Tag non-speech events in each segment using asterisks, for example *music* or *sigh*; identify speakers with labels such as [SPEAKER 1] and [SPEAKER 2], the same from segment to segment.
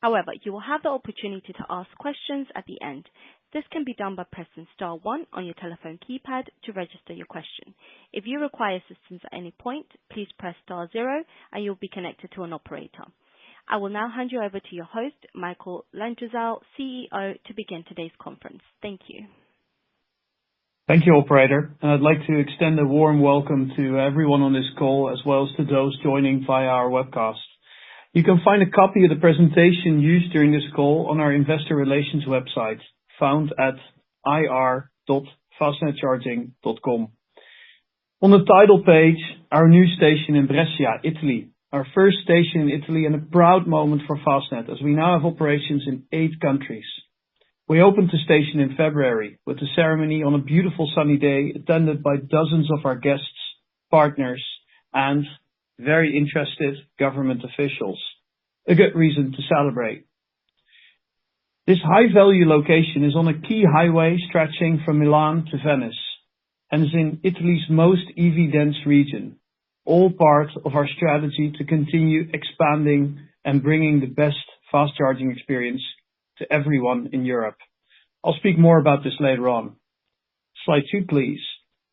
[SPEAKER 1] However, you will have the opportunity to ask questions at the end. This can be done by pressing Star 1 on your telephone keypad to register your question. If you require assistance at any point, please press Star 0, and you'll be connected to an operator. I will now hand you over to your host, Michiel Langezaal, CEO, to begin today's conference. Thank you.
[SPEAKER 2] Thank you, Operator. I'd like to extend a warm welcome to everyone on this call, as well as to those joining via our webcast. You can find a copy of the presentation used during this call on our investor relations website, found at ir.fastnedcharging.com. On the title page, our new station in Brescia, Italy. Our first station in Italy and a proud moment for Fastned, as we now have operations in eight countries. We opened the station in February with a ceremony on a beautiful sunny day, attended by dozens of our guests, partners, and very interested government officials. A good reason to celebrate. This high-value location is on a key highway stretching from Milan to Venice, and is in Italy's most EV-dense region, all part of our strategy to continue expanding and bringing the best fast-charging experience to everyone in Europe. I'll speak more about this later on. Slide 2, please.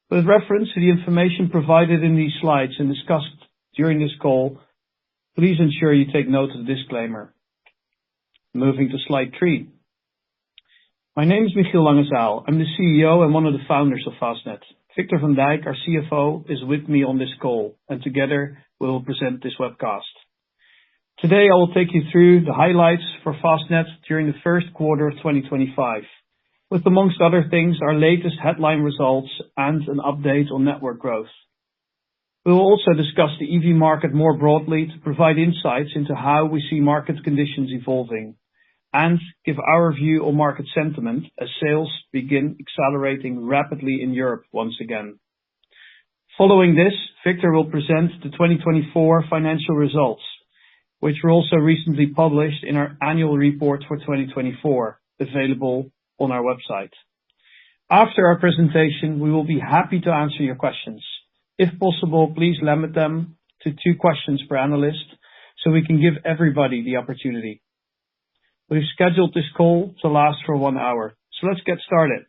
[SPEAKER 2] With reference to the information provided in these slides and discussed during this call, please ensure you take note of the disclaimer. Moving to Slide 3. My name is Michiel Langezaal. I'm the CEO and one of the founders of Fastned. Victor van Dijk, our CFO, is with me on this call, and together we'll present this webcast. Today, I will take you through the highlights for Fastned during the first quarter of 2025, with, amongst other things, our latest headline results and an update on network growth. We will also discuss the EV market more broadly to provide insights into how we see market conditions evolving and give our view on market sentiment as sales begin accelerating rapidly in Europe once again. Following this, Victor will present the 2024 financial results, which were also recently published in our annual report for 2024, available on our website. After our presentation, we will be happy to answer your questions. If possible, please limit them to two questions per analyst so we can give everybody the opportunity. We've scheduled this call to last for one hour, so let's get started.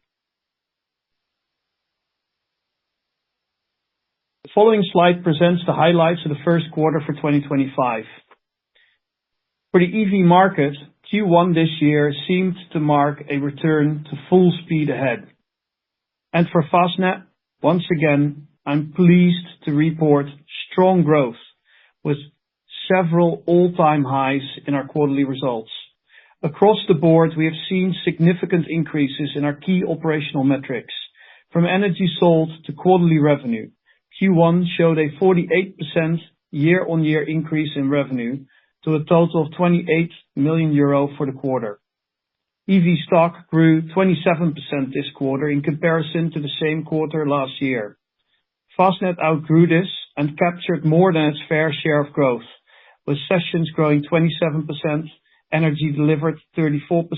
[SPEAKER 2] The following slide presents the highlights of the first quarter for 2025. For the EV market, Q1 this year seemed to mark a return to full speed ahead. For Fastned, once again, I'm pleased to report strong growth with several all-time highs in our quarterly results. Across the board, we have seen significant increases in our key operational metrics, from energy sold to quarterly revenue. Q1 showed a 48% year-on-year increase in revenue to a total of 28 million euro for the quarter. EV stock grew 27% this quarter in comparison to the same quarter last year. Fastned outgrew this and captured more than its fair share of growth, with sessions growing 27%, energy delivered 34%,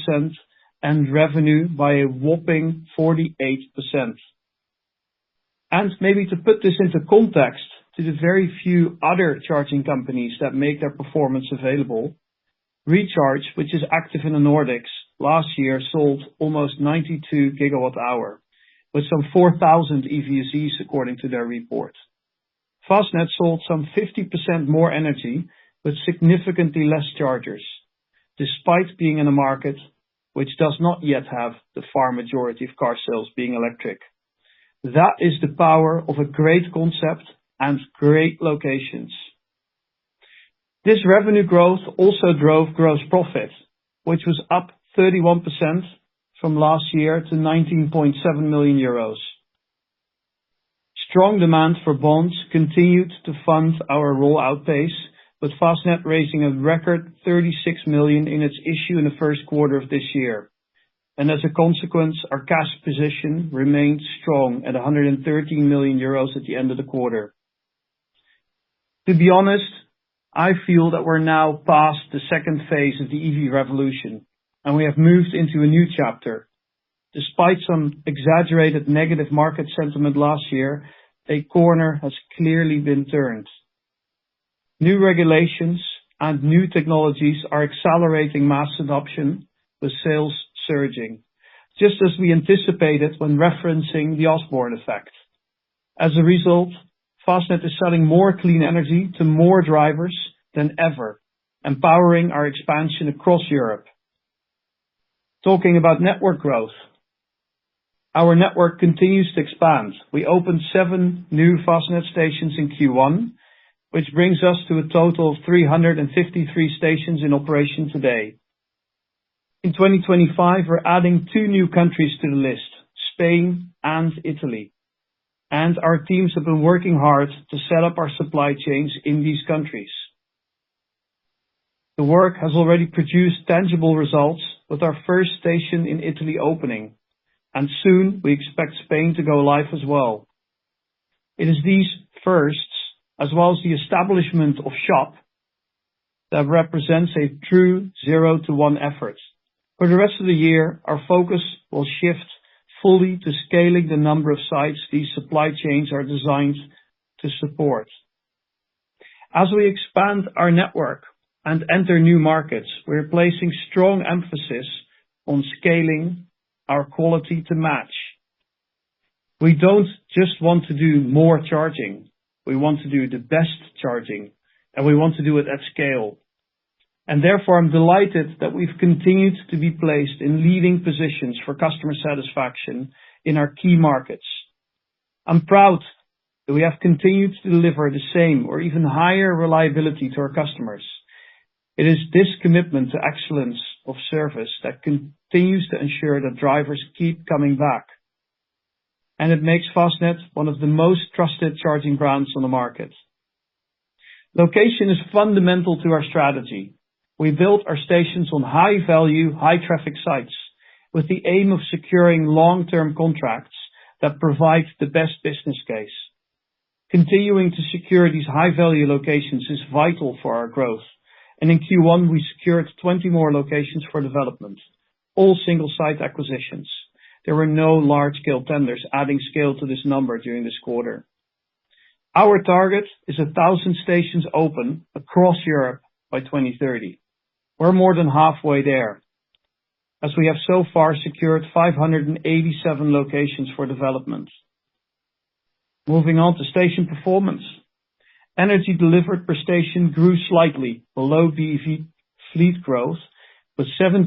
[SPEAKER 2] and revenue by a whopping 48%. Maybe to put this into context to the very few other charging companies that make their performance available, Recharge, which is active in the Nordics, last year sold almost 92 GWh, with some 4,000 EVs according to their report. Fastned sold some 50% more energy with significantly less chargers, despite being in a market which does not yet have the far majority of car sales being electric. That is the power of a great concept and great locations. This revenue growth also drove gross profit, which was up 31% from last year to 19.7 million euros. Strong demand for bonds continued to fund our rollout pace, with Fastned raising a record 36 million in its issue in the first quarter of this year. As a consequence, our cash position remained strong at 113 million euros at the end of the quarter. To be honest, I feel that we're now past the second phase of the EV revolution, and we have moved into a new chapter. Despite some exaggerated negative market sentiment last year, a corner has clearly been turned. New regulations and new technologies are accelerating mass adoption, with sales surging, just as we anticipated when referencing the Osborne effect. As a result, Fastned is selling more clean energy to more drivers than ever, empowering our expansion across Europe. Talking about network growth, our network continues to expand. We opened seven new Fastned stations in Q1, which brings us to a total of 353 stations in operation today. In 2025, we're adding two new countries to the list, Spain and Italy, and our teams have been working hard to set up our supply chains in these countries. The work has already produced tangible results, with our first station in Italy opening, and soon we expect Spain to go live as well. It is these firsts, as well as the establishment of shop, that represents a true zero-to-one effort. For the rest of the year, our focus will shift fully to scaling the number of sites these supply chains are designed to support. As we expand our network and enter new markets, we're placing strong emphasis on scaling our quality to match. We don't just want to do more charging; we want to do the best charging, and we want to do it at scale. I am delighted that we have continued to be placed in leading positions for customer satisfaction in our key markets. I am proud that we have continued to deliver the same or even higher reliability to our customers. It is this commitment to excellence of service that continues to ensure that drivers keep coming back, and it makes Fastned one of the most trusted charging brands on the market. Location is fundamental to our strategy. We built our stations on high-value, high-traffic sites with the aim of securing long-term contracts that provide the best business case. Continuing to secure these high-value locations is vital for our growth, and in Q1, we secured 20 more locations for development, all single-site acquisitions. There were no large-scale tenders adding scale to this number during this quarter. Our target is 1,000 stations open across Europe by 2030. We're more than halfway there, as we have so far secured 587 locations for development. Moving on to station performance, energy delivered per station grew slightly below the EV fleet growth, with 17%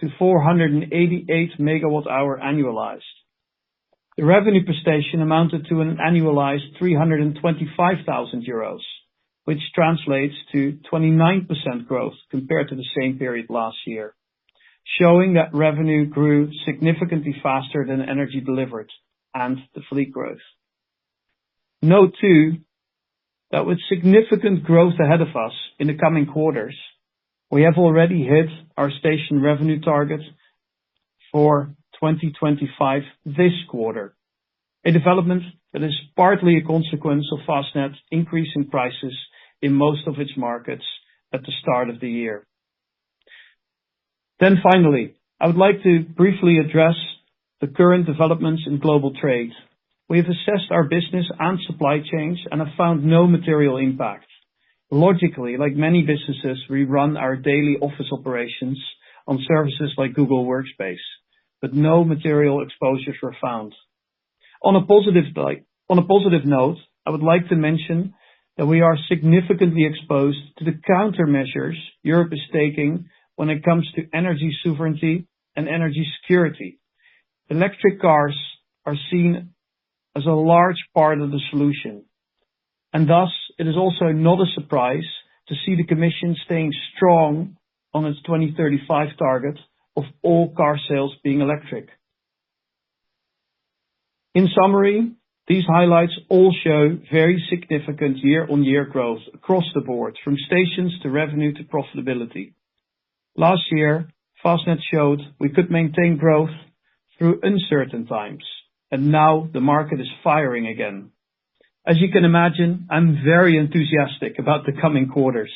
[SPEAKER 2] to 488 MWh annualized. The revenue per station amounted to an annualized 325,000 euros, which translates to 29% growth compared to the same period last year, showing that revenue grew significantly faster than energy delivered and the fleet growth. Note too that with significant growth ahead of us in the coming quarters, we have already hit our station revenue target for 2025 this quarter, a development that is partly a consequence of Fastned's increase in prices in most of its markets at the start of the year. Finally, I would like to briefly address the current developments in global trade. We have assessed our business and supply chains and have found no material impact. Logically, like many businesses, we run our daily office operations on services like Google Workspace, but no material exposures were found. On a positive note, I would like to mention that we are significantly exposed to the countermeasures Europe is taking when it comes to energy sovereignty and energy security. Electric cars are seen as a large part of the solution, and thus it is also not a surprise to see the Commission staying strong on its 2035 target of all car sales being electric. In summary, these highlights all show very significant year-on-year growth across the board, from stations to revenue to profitability. Last year, Fastned showed we could maintain growth through uncertain times, and now the market is firing again. As you can imagine, I'm very enthusiastic about the coming quarters,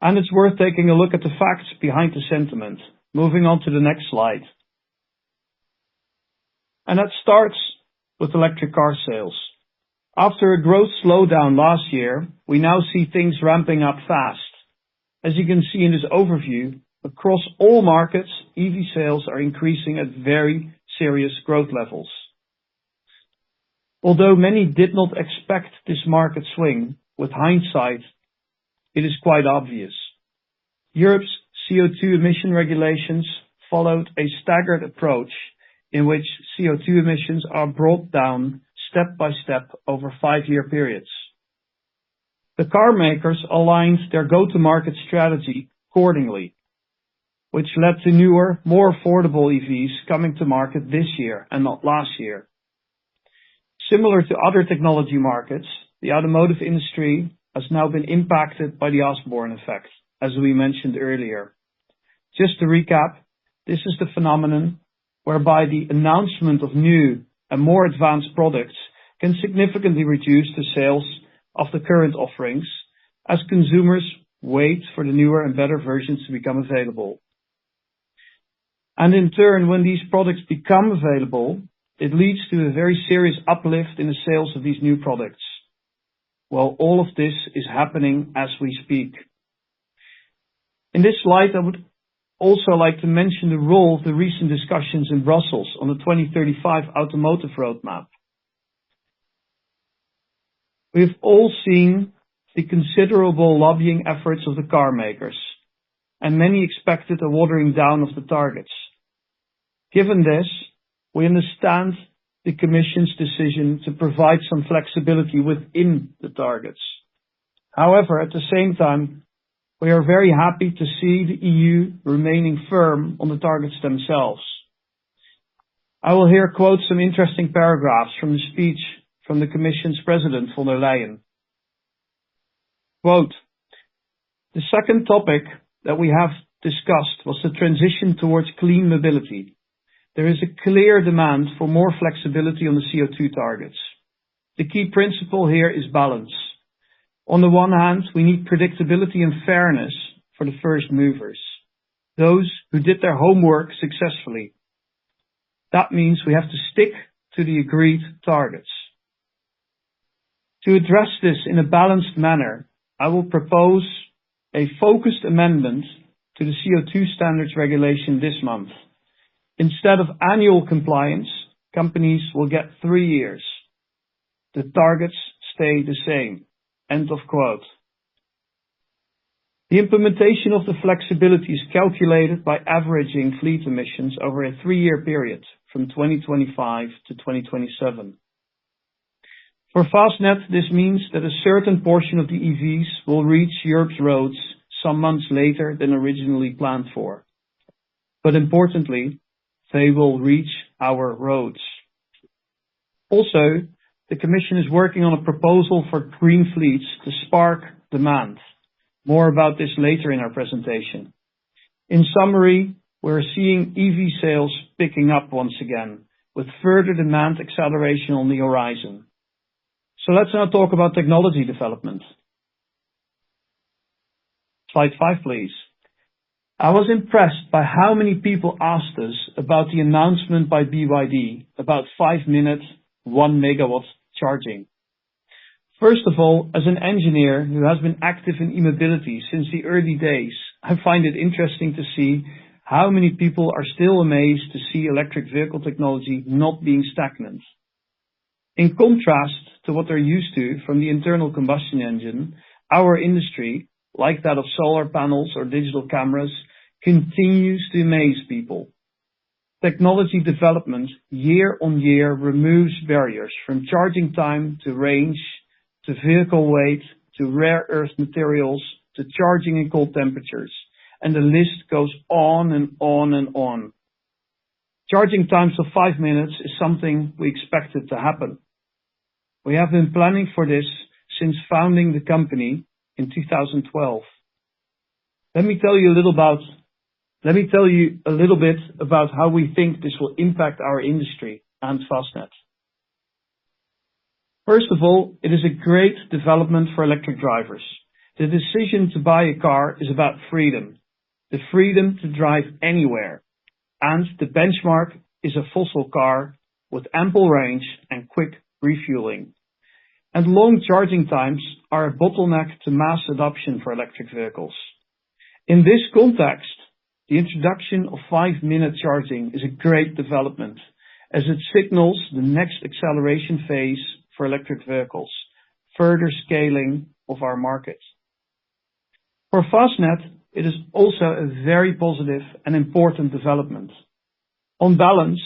[SPEAKER 2] and it's worth taking a look at the facts behind the sentiment. Moving on to the next slide. That starts with electric car sales. After a growth slowdown last year, we now see things ramping up fast. As you can see in this overview, across all markets, EV sales are increasing at very serious growth levels. Although many did not expect this market swing, with hindsight, it is quite obvious. Europe's CO2 emission regulations followed a staggered approach in which CO2 emissions are brought down step by step over five-year periods. The car makers aligned their go-to-market strategy accordingly, which led to newer, more affordable EVs coming to market this year and not last year. Similar to other technology markets, the automotive industry has now been impacted by the Osborne effect, as we mentioned earlier. Just to recap, this is the phenomenon whereby the announcement of new and more advanced products can significantly reduce the sales of the current offerings as consumers wait for the newer and better versions to become available. In turn, when these products become available, it leads to a very serious uplift in the sales of these new products. All of this is happening as we speak. In this light, I would also like to mention the role of the recent discussions in Brussels on the 2035 automotive roadmap. We have all seen the considerable lobbying efforts of the car makers, and many expected a watering down of the targets. Given this, we understand the Commission's decision to provide some flexibility within the targets. However, at the same time, we are very happy to see the EU remaining firm on the targets themselves. I will here quote some interesting paragraphs from the speech from the Commission's President, Ursula von der Leyen. Quote, "The second topic that we have discussed was the transition towards clean mobility. There is a clear demand for more flexibility on the CO2 targets. The key principle here is balance. On the one hand, we need predictability and fairness for the first movers, those who did their homework successfully. That means we have to stick to the agreed targets. To address this in a balanced manner, I will propose a focused amendment to the CO2 standards regulation this month. Instead of annual compliance, companies will get three years. The targets stay the same." End of quote. The implementation of the flexibility is calculated by averaging fleet emissions over a three-year period from 2025 to 2027. For Fastned, this means that a certain portion of the EVs will reach Europe's roads some months later than originally planned for, but importantly, they will reach our roads. Also, the Commission is working on a proposal for green fleets to spark demand. More about this later in our presentation. In summary, we're seeing EV sales picking up once again, with further demand acceleration on the horizon. Let's now talk about technology development. Slide 5, please. I was impressed by how many people asked us about the announcement by BYD about five-minute one-megawatt charging. First of all, as an engineer who has been active in e-mobility since the early days, I find it interesting to see how many people are still amazed to see electric vehicle technology not being stagnant. In contrast to what they're used to from the internal combustion engine, our industry, like that of solar panels or digital cameras, continues to amaze people. Technology development year on year removes barriers from charging time to range to vehicle weight to rare earth materials to charging in cold temperatures, and the list goes on and on and on. Charging times of five minutes is something we expected to happen. We have been planning for this since founding the company in 2012. Let me tell you a little bit about how we think this will impact our industry and Fastned. First of all, it is a great development for electric drivers. The decision to buy a car is about freedom, the freedom to drive anywhere, and the benchmark is a fossil car with ample range and quick refueling. Long charging times are a bottleneck to mass adoption for electric vehicles. In this context, the introduction of five-minute charging is a great development as it signals the next acceleration phase for electric vehicles, further scaling of our market. For Fastned, it is also a very positive and important development. On balance,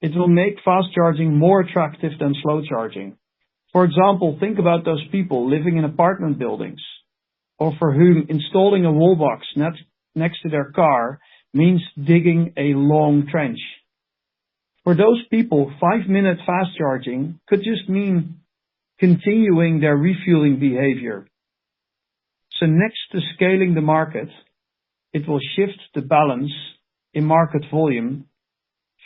[SPEAKER 2] it will make fast charging more attractive than slow charging. For example, think about those people living in apartment buildings or for whom installing a wallbox next to their car means digging a long trench. For those people, five-minute fast charging could just mean continuing their refueling behavior. Next to scaling the market, it will shift the balance in market volume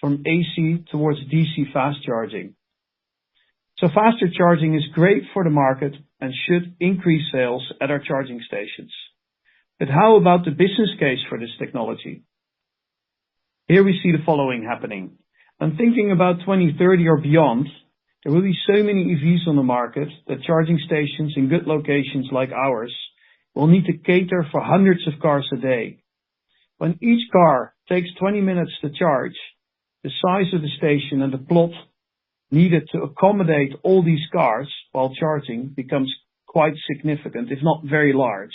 [SPEAKER 2] from AC towards DC fast charging. Faster charging is great for the market and should increase sales at our charging stations. How about the business case for this technology? Here we see the following happening. I'm thinking about 2030 or beyond. There will be so many EVs on the market that charging stations in good locations like ours will need to cater for hundreds of cars a day. When each car takes 20 minutes to charge, the size of the station and the plot needed to accommodate all these cars while charging becomes quite significant, if not very large.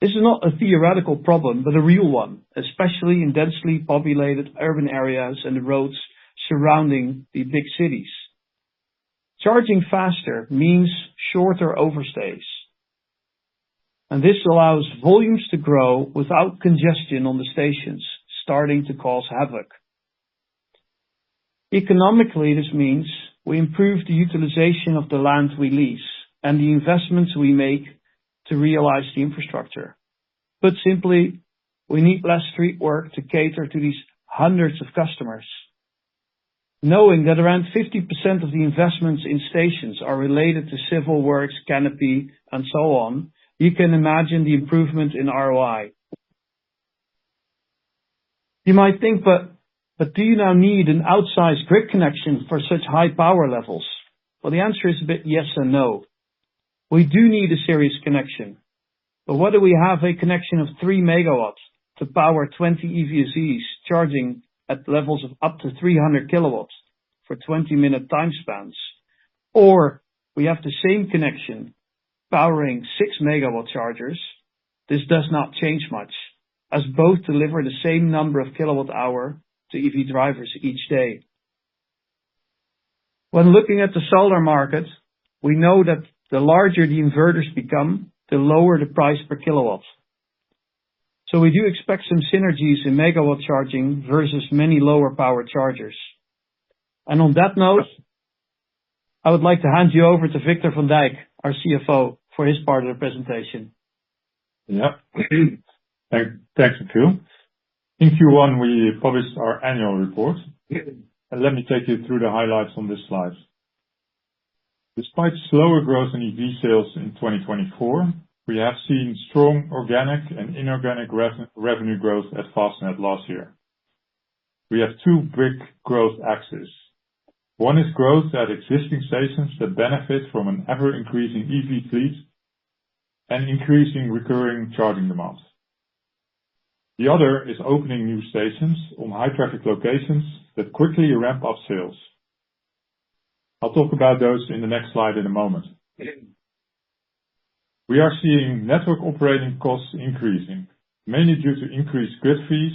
[SPEAKER 2] This is not a theoretical problem, but a real one, especially in densely populated urban areas and the roads surrounding the big cities. Charging faster means shorter overstays, and this allows volumes to grow without congestion on the stations, starting to cause havoc. Economically, this means we improve the utilization of the land we lease and the investments we make to realize the infrastructure. Put simply, we need less street work to cater to these hundreds of customers. Knowing that around 50% of the investments in stations are related to civil works, canopy, and so on, you can imagine the improvement in ROI. You might think, but do you now need an outsized grid connection for such high power levels? The answer is a bit yes and no. We do need a serious connection, but whether we have a connection of 3 megawatts to power 20 EVs charging at levels of up to 300 kilowatts for 20-minute time spans, or we have the same connection powering six-megawatt chargers, this does not change much as both deliver the same number of kilowatt-hour to EV drivers each day. When looking at the solar market, we know that the larger the inverters become, the lower the price per kilowatt. We do expect some synergies in megawatt charging versus many lower power chargers. On that note, I would like to hand you over to Victor van Dijk, our CFO, for his part of the presentation.
[SPEAKER 3] Yeah. Thanks too. In Q1, we published our annual report. Let me take you through the highlights on this slide. Despite slower growth in EV sales in 2024, we have seen strong organic and inorganic revenue growth at Fastned last year. We have two big growth axes. One is growth at existing stations that benefit from an ever-increasing EV fleet and increasing recurring charging demands. The other is opening new stations on high-traffic locations that quickly ramp up sales. I'll talk about those in the next slide in a moment. We are seeing network operating costs increasing, mainly due to increased grid fees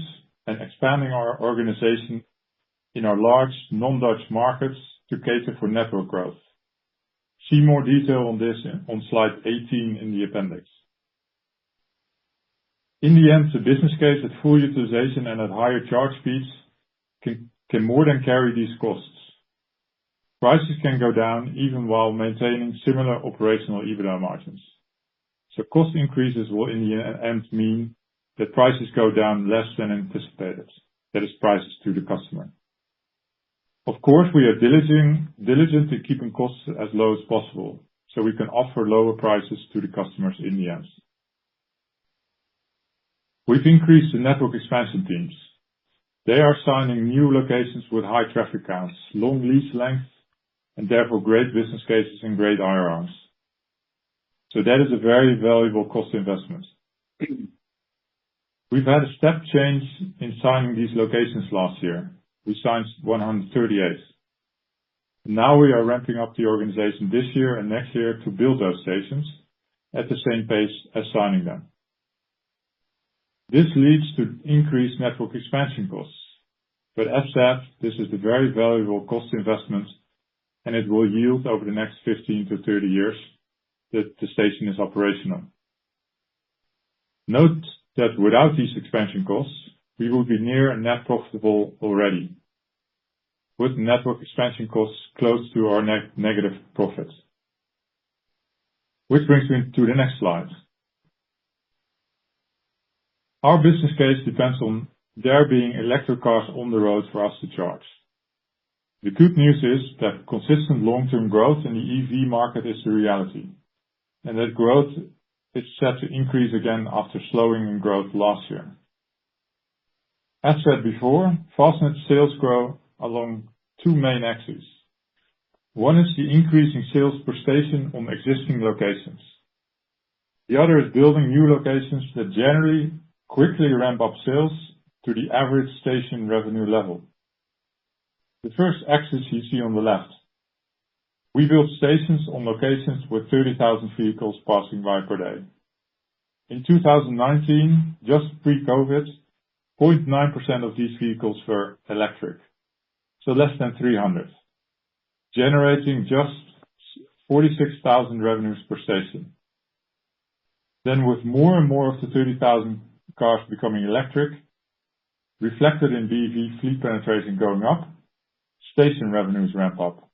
[SPEAKER 3] and expanding our organization in our large non-Dutch markets to cater for network growth. See more detail on this on slide 18 in the appendix. In the end, the business case that full utilization and at higher charge fees can more than carry these costs. Prices can go down even while maintaining similar operational EBITDA margins. Cost increases will in the end mean that prices go down less than anticipated, that is, prices to the customer. Of course, we are diligent in keeping costs as low as possible so we can offer lower prices to the customers in the end. We've increased the network expansion teams. They are signing new locations with high traffic counts, long lease lengths, and therefore great business cases and great IRRs. That is a very valuable cost investment. We've had a step change in signing these locations last year. We signed 138. Now we are ramping up the organization this year and next year to build those stations at the same pace as signing them. This leads to increased network expansion costs, but as such, this is a very valuable cost investment, and it will yield over the next 15-30 years that the station is operational. Note that without these expansion costs, we will be near net profitable already, with network expansion costs close to our net negative profits, which brings me to the next slide. Our business case depends on there being electric cars on the road for us to charge. The good news is that consistent long-term growth in the EV market is the reality, and that growth is set to increase again after slowing in growth last year. As said before, Fastned's sales grow along two main axes. One is the increasing sales per station on existing locations. The other is building new locations that generally quickly ramp up sales to the average station revenue level. The first axis you see on the left, we build stations on locations with 30,000 vehicles passing by per day. In 2019, just pre-COVID, 0.9% of these vehicles were electric, so less than 300, generating just 46,000 revenues per station. With more and more of the 30,000 cars becoming electric, reflected in EV fleet penetration going up, station revenues ramp up.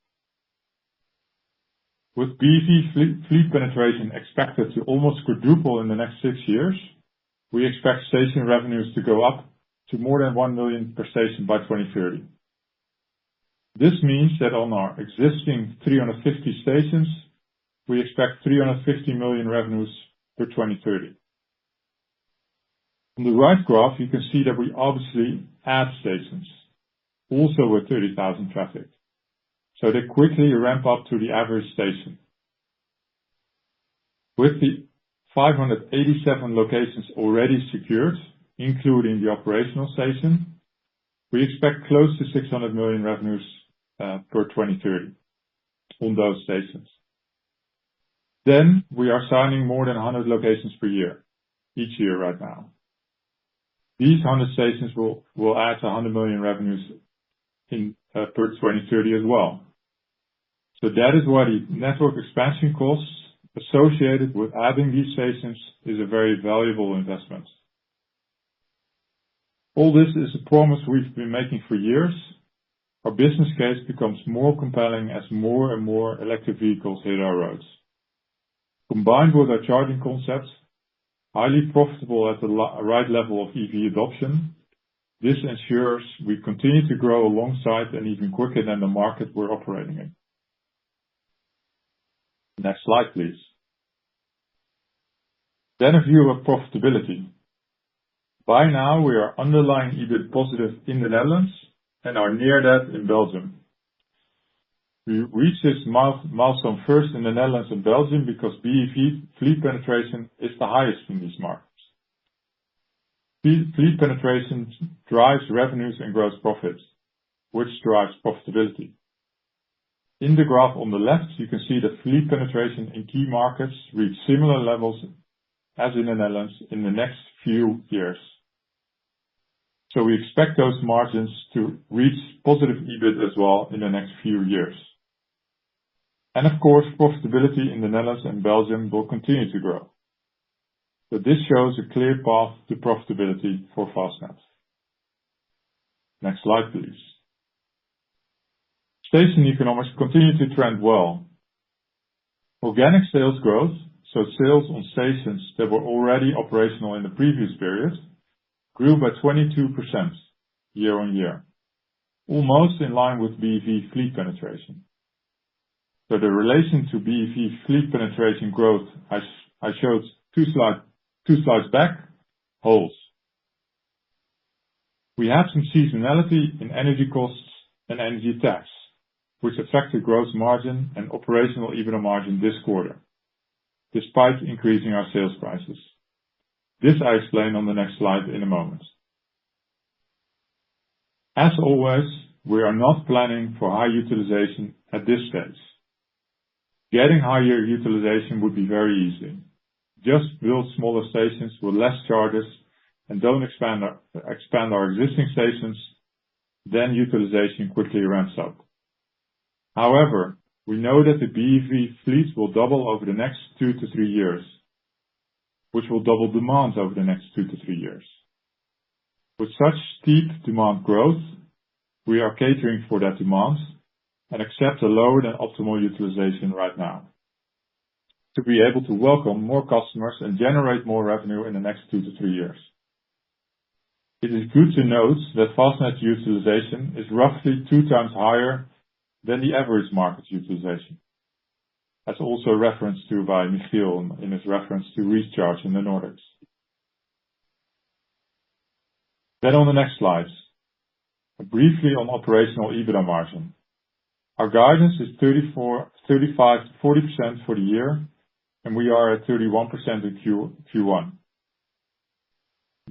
[SPEAKER 3] With EV fleet penetration expected to almost quadruple in the next six years, we expect station revenues to go up to more than 1 million per station by 2030. This means that on our existing 350 stations, we expect 350 million revenues per 2030. On the right graph, you can see that we obviously add stations, also with 30,000 traffic, so they quickly ramp up to the average station. With the 587 locations already secured, including the operational station, we expect close to 600 million revenues per 2030 on those stations. We are signing more than 100 locations per year each year right now. These 100 stations will add to 100 million revenues per 2030 as well. That is why the network expansion costs associated with adding these stations is a very valuable investment. All this is a promise we've been making for years. Our business case becomes more compelling as more and more electric vehicles hit our roads. Combined with our charging concept, highly profitable at the right level of EV adoption, this ensures we continue to grow alongside and even quicker than the market we're operating in. Next slide, please. A view of profitability. By now, we are underlying EBIT positive in the Netherlands and are near that in Belgium. We reached this milestone first in the Netherlands and Belgium because EV fleet penetration is the highest in these markets. Fleet penetration drives revenues and gross profits, which drives profitability. In the graph on the left, you can see that fleet penetration in key markets reached similar levels as in the Netherlands in the next few years. We expect those margins to reach positive EBIT as well in the next few years. Profitability in the Netherlands and Belgium will continue to grow. This shows a clear path to profitability for Fastned. Next slide, please. Station economics continue to trend well. Organic sales growth, so sales on stations that were already operational in the previous period, grew by 22% year on year, almost in line with EV fleet penetration. The relation to EV fleet penetration growth I showed two slides back. We have some seasonality in energy costs and energy tax, which affect the gross margin and operational EBITDA margin this quarter, despite increasing our sales prices. This I explain on the next slide in a moment. As always, we are not planning for high utilization at this stage. Getting higher utilization would be very easy. Just build smaller stations with fewer chargers and do not expand our existing stations, then utilization quickly ramps up. However, we know that the EV fleet will double over the next two to three years, which will double demand over the next two to three years. With such steep demand growth, we are catering for that demand and accept a lower than optimal utilization right now to be able to welcome more customers and generate more revenue in the next two to three years. It is good to note that Fastned's utilization is roughly two times higher than the average market utilization, as also referenced to by Michiel in his reference to Recharge in the Nordics. On the next slides, briefly on operational EBITDA margin. Our guidance is 35%-40% for the year, and we are at 31% in Q1.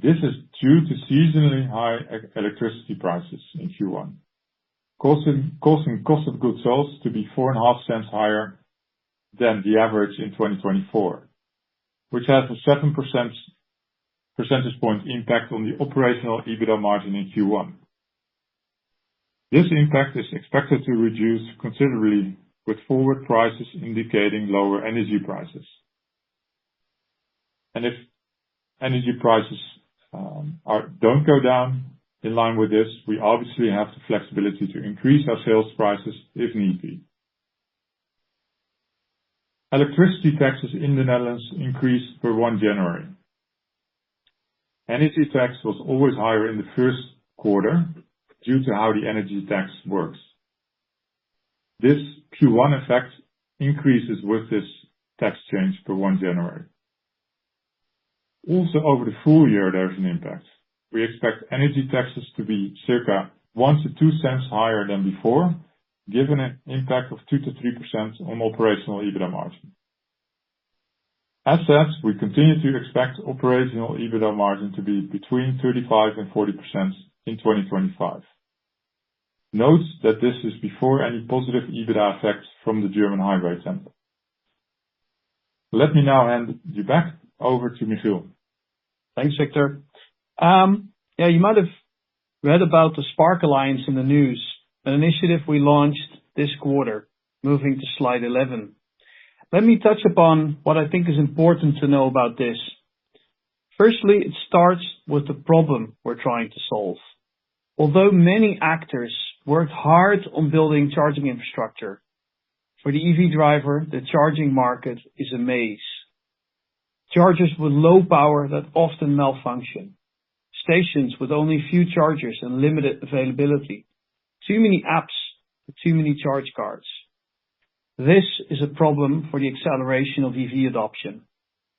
[SPEAKER 3] This is due to seasonally high electricity prices in Q1, causing cost of goods sales to be 0.045 cents higher than the average in 2024, which has a 7 percentage point impact on the operational EBITDA margin in Q1. This impact is expected to reduce considerably with forward prices indicating lower energy prices. If energy prices do not go down in line with this, we obviously have the flexibility to increase our sales prices if need be. Electricity taxes in the Netherlands increased for one January. Energy tax was always higher in the first quarter due to how the energy tax works. This Q1 effect increases with this tax change for one January. Also, over the full year, there is an impact. We expect energy taxes to be circa 0.01- 0.02 higher than before, giving an impact of 2%-3% on operational EBITDA margin. As such, we continue to expect operational EBITDA margin to be between 35%-40% in 2025. Note that this is before any positive EBITDA effects from the German highway template. Let me now hand you back over to Michiel.
[SPEAKER 2] Thanks, Victor. Yeah, you might have read about the Spark Alliance in the news, an initiative we launched this quarter. Moving to slide 11, let me touch upon what I think is important to know about this. Firstly, it starts with the problem we're trying to solve. Although many actors worked hard on building charging infrastructure for the EV driver, the charging market is a maze. Chargers with low power that often malfunction, stations with only few chargers and limited availability, too many apps with too many charge cards. This is a problem for the acceleration of EV adoption,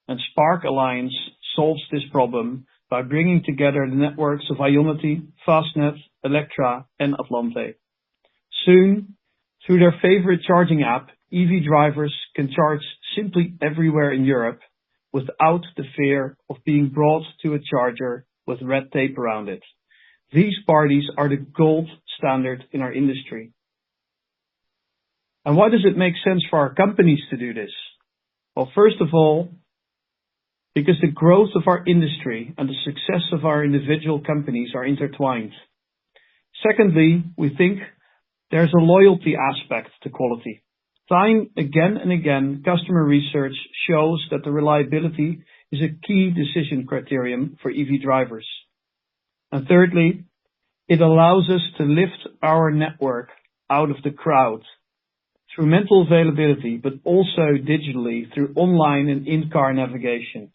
[SPEAKER 2] and Spark Alliance solves this problem by bringing together the networks of IONITY, Fastned, Electra, and Atlante. Soon, through their favorite charging app, EV drivers can charge simply everywhere in Europe without the fear of being brought to a charger with red tape around it. These parties are the gold standard in our industry. Why does it make sense for our companies to do this? First of all, because the growth of our industry and the success of our individual companies are intertwined. Secondly, we think there's a loyalty aspect to quality. Time and again, customer research shows that reliability is a key decision criterion for EV drivers. Thirdly, it allows us to lift our network out of the crowd through mental availability, but also digitally through online and in-car navigation.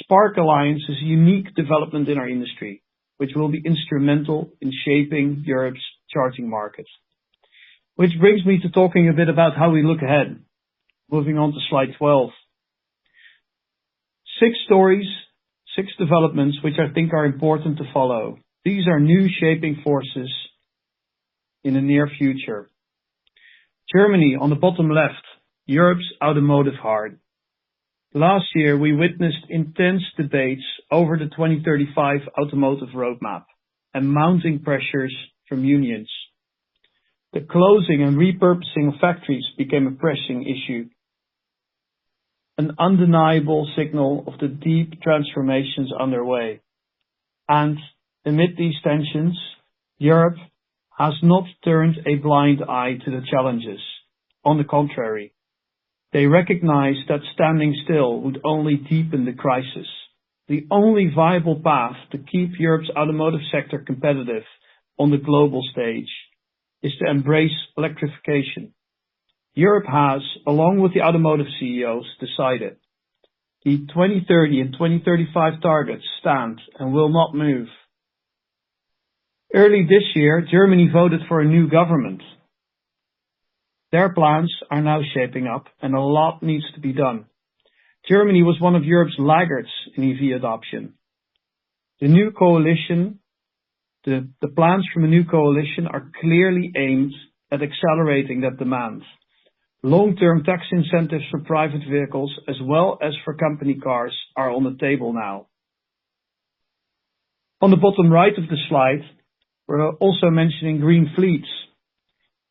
[SPEAKER 2] Spark Alliance is a unique development in our industry, which will be instrumental in shaping Europe's charging market. This brings me to talking a bit about how we look ahead. Moving on to slide 12. Six stories, six developments, which I think are important to follow. These are new shaping forces in the near future. Germany on the bottom left, Europe's automotive heart. Last year, we witnessed intense debates over the 2035 automotive roadmap and mounting pressures from unions. The closing and repurposing of factories became a pressing issue, an undeniable signal of the deep transformations underway. Amid these tensions, Europe has not turned a blind eye to the challenges. On the contrary, they recognize that standing still would only deepen the crisis. The only viable path to keep Europe's automotive sector competitive on the global stage is to embrace electrification. Europe has, along with the automotive CEOs, decided the 2030 and 2035 targets stand and will not move. Early this year, Germany voted for a new government. Their plans are now shaping up, and a lot needs to be done. Germany was one of Europe's laggards in EV adoption. The new coalition, the plans from a new coalition are clearly aimed at accelerating that demand. Long-term tax incentives for private vehicles, as well as for company cars, are on the table now. On the bottom right of the slide, we're also mentioning green fleets.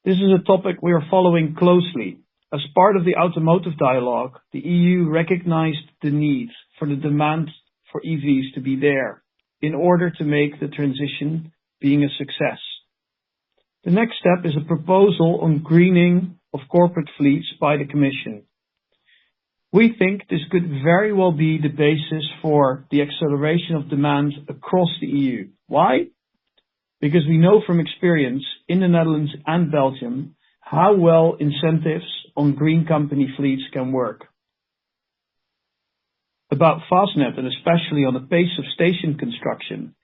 [SPEAKER 2] This is a topic we are following closely. As part of the automotive dialogue, the EU recognized the need for the demand for EVs to be there in order to make the transition being a success. The next step is a proposal on greening of corporate fleets by the Commission. We think this could very well be the basis for the acceleration of demand across the EU. Why? Because we know from experience in the Netherlands and Belgium how well incentives on green company fleets can work. About Fastned, and especially on the pace of station construction.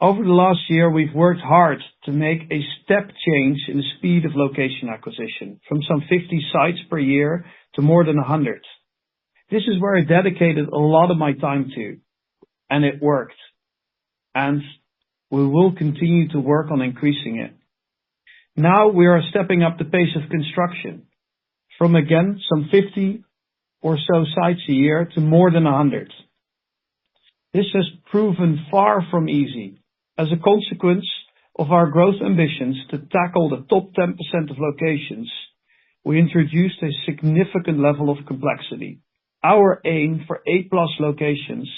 [SPEAKER 2] Over the last year, we've worked hard to make a step change in the speed of location acquisition from some 50 sites per year to more than 100. This is where I dedicated a lot of my time to, and it worked, and we will continue to work on increasing it. Now we are stepping up the pace of construction from, again, some 50 or so sites a year to more than 100. This has proven far from easy. As a consequence of our growth ambitions to tackle the top 10% of locations, we introduced a significant level of complexity. Our aim for A-plus locations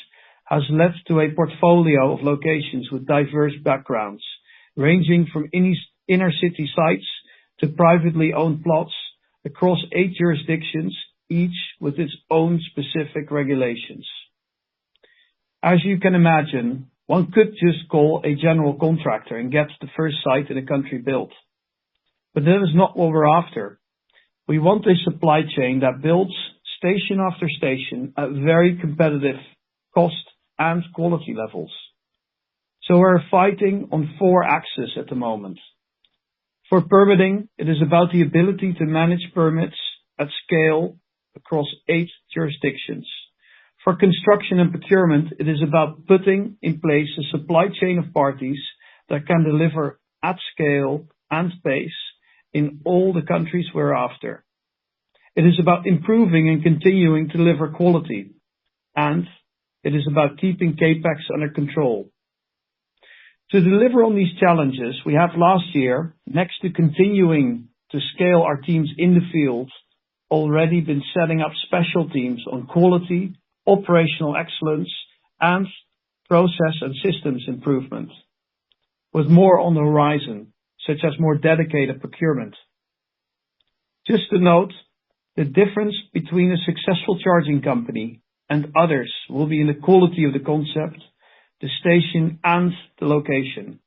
[SPEAKER 2] has led to a portfolio of locations with diverse backgrounds, ranging from inner city sites to privately owned plots across eight jurisdictions, each with its own specific regulations. As you can imagine, one could just call a general contractor and get the first site in a country built. That is not what we're after. We want a supply chain that builds station after station at very competitive cost and quality levels. We are fighting on four axes at the moment. For permitting, it is about the ability to manage permits at scale across eight jurisdictions. For construction and procurement, it is about putting in place a supply chain of parties that can deliver at scale and pace in all the countries we're after. It is about improving and continuing to deliver quality, and it is about keeping CapEx under control. To deliver on these challenges, we have last year, next to continuing to scale our teams in the field, already been setting up special teams on quality, operational excellence, and process and systems improvement, with more on the horizon, such as more dedicated procurement. Just to note, the difference between a successful charging company and others will be in the quality of the concept, the station, and the location.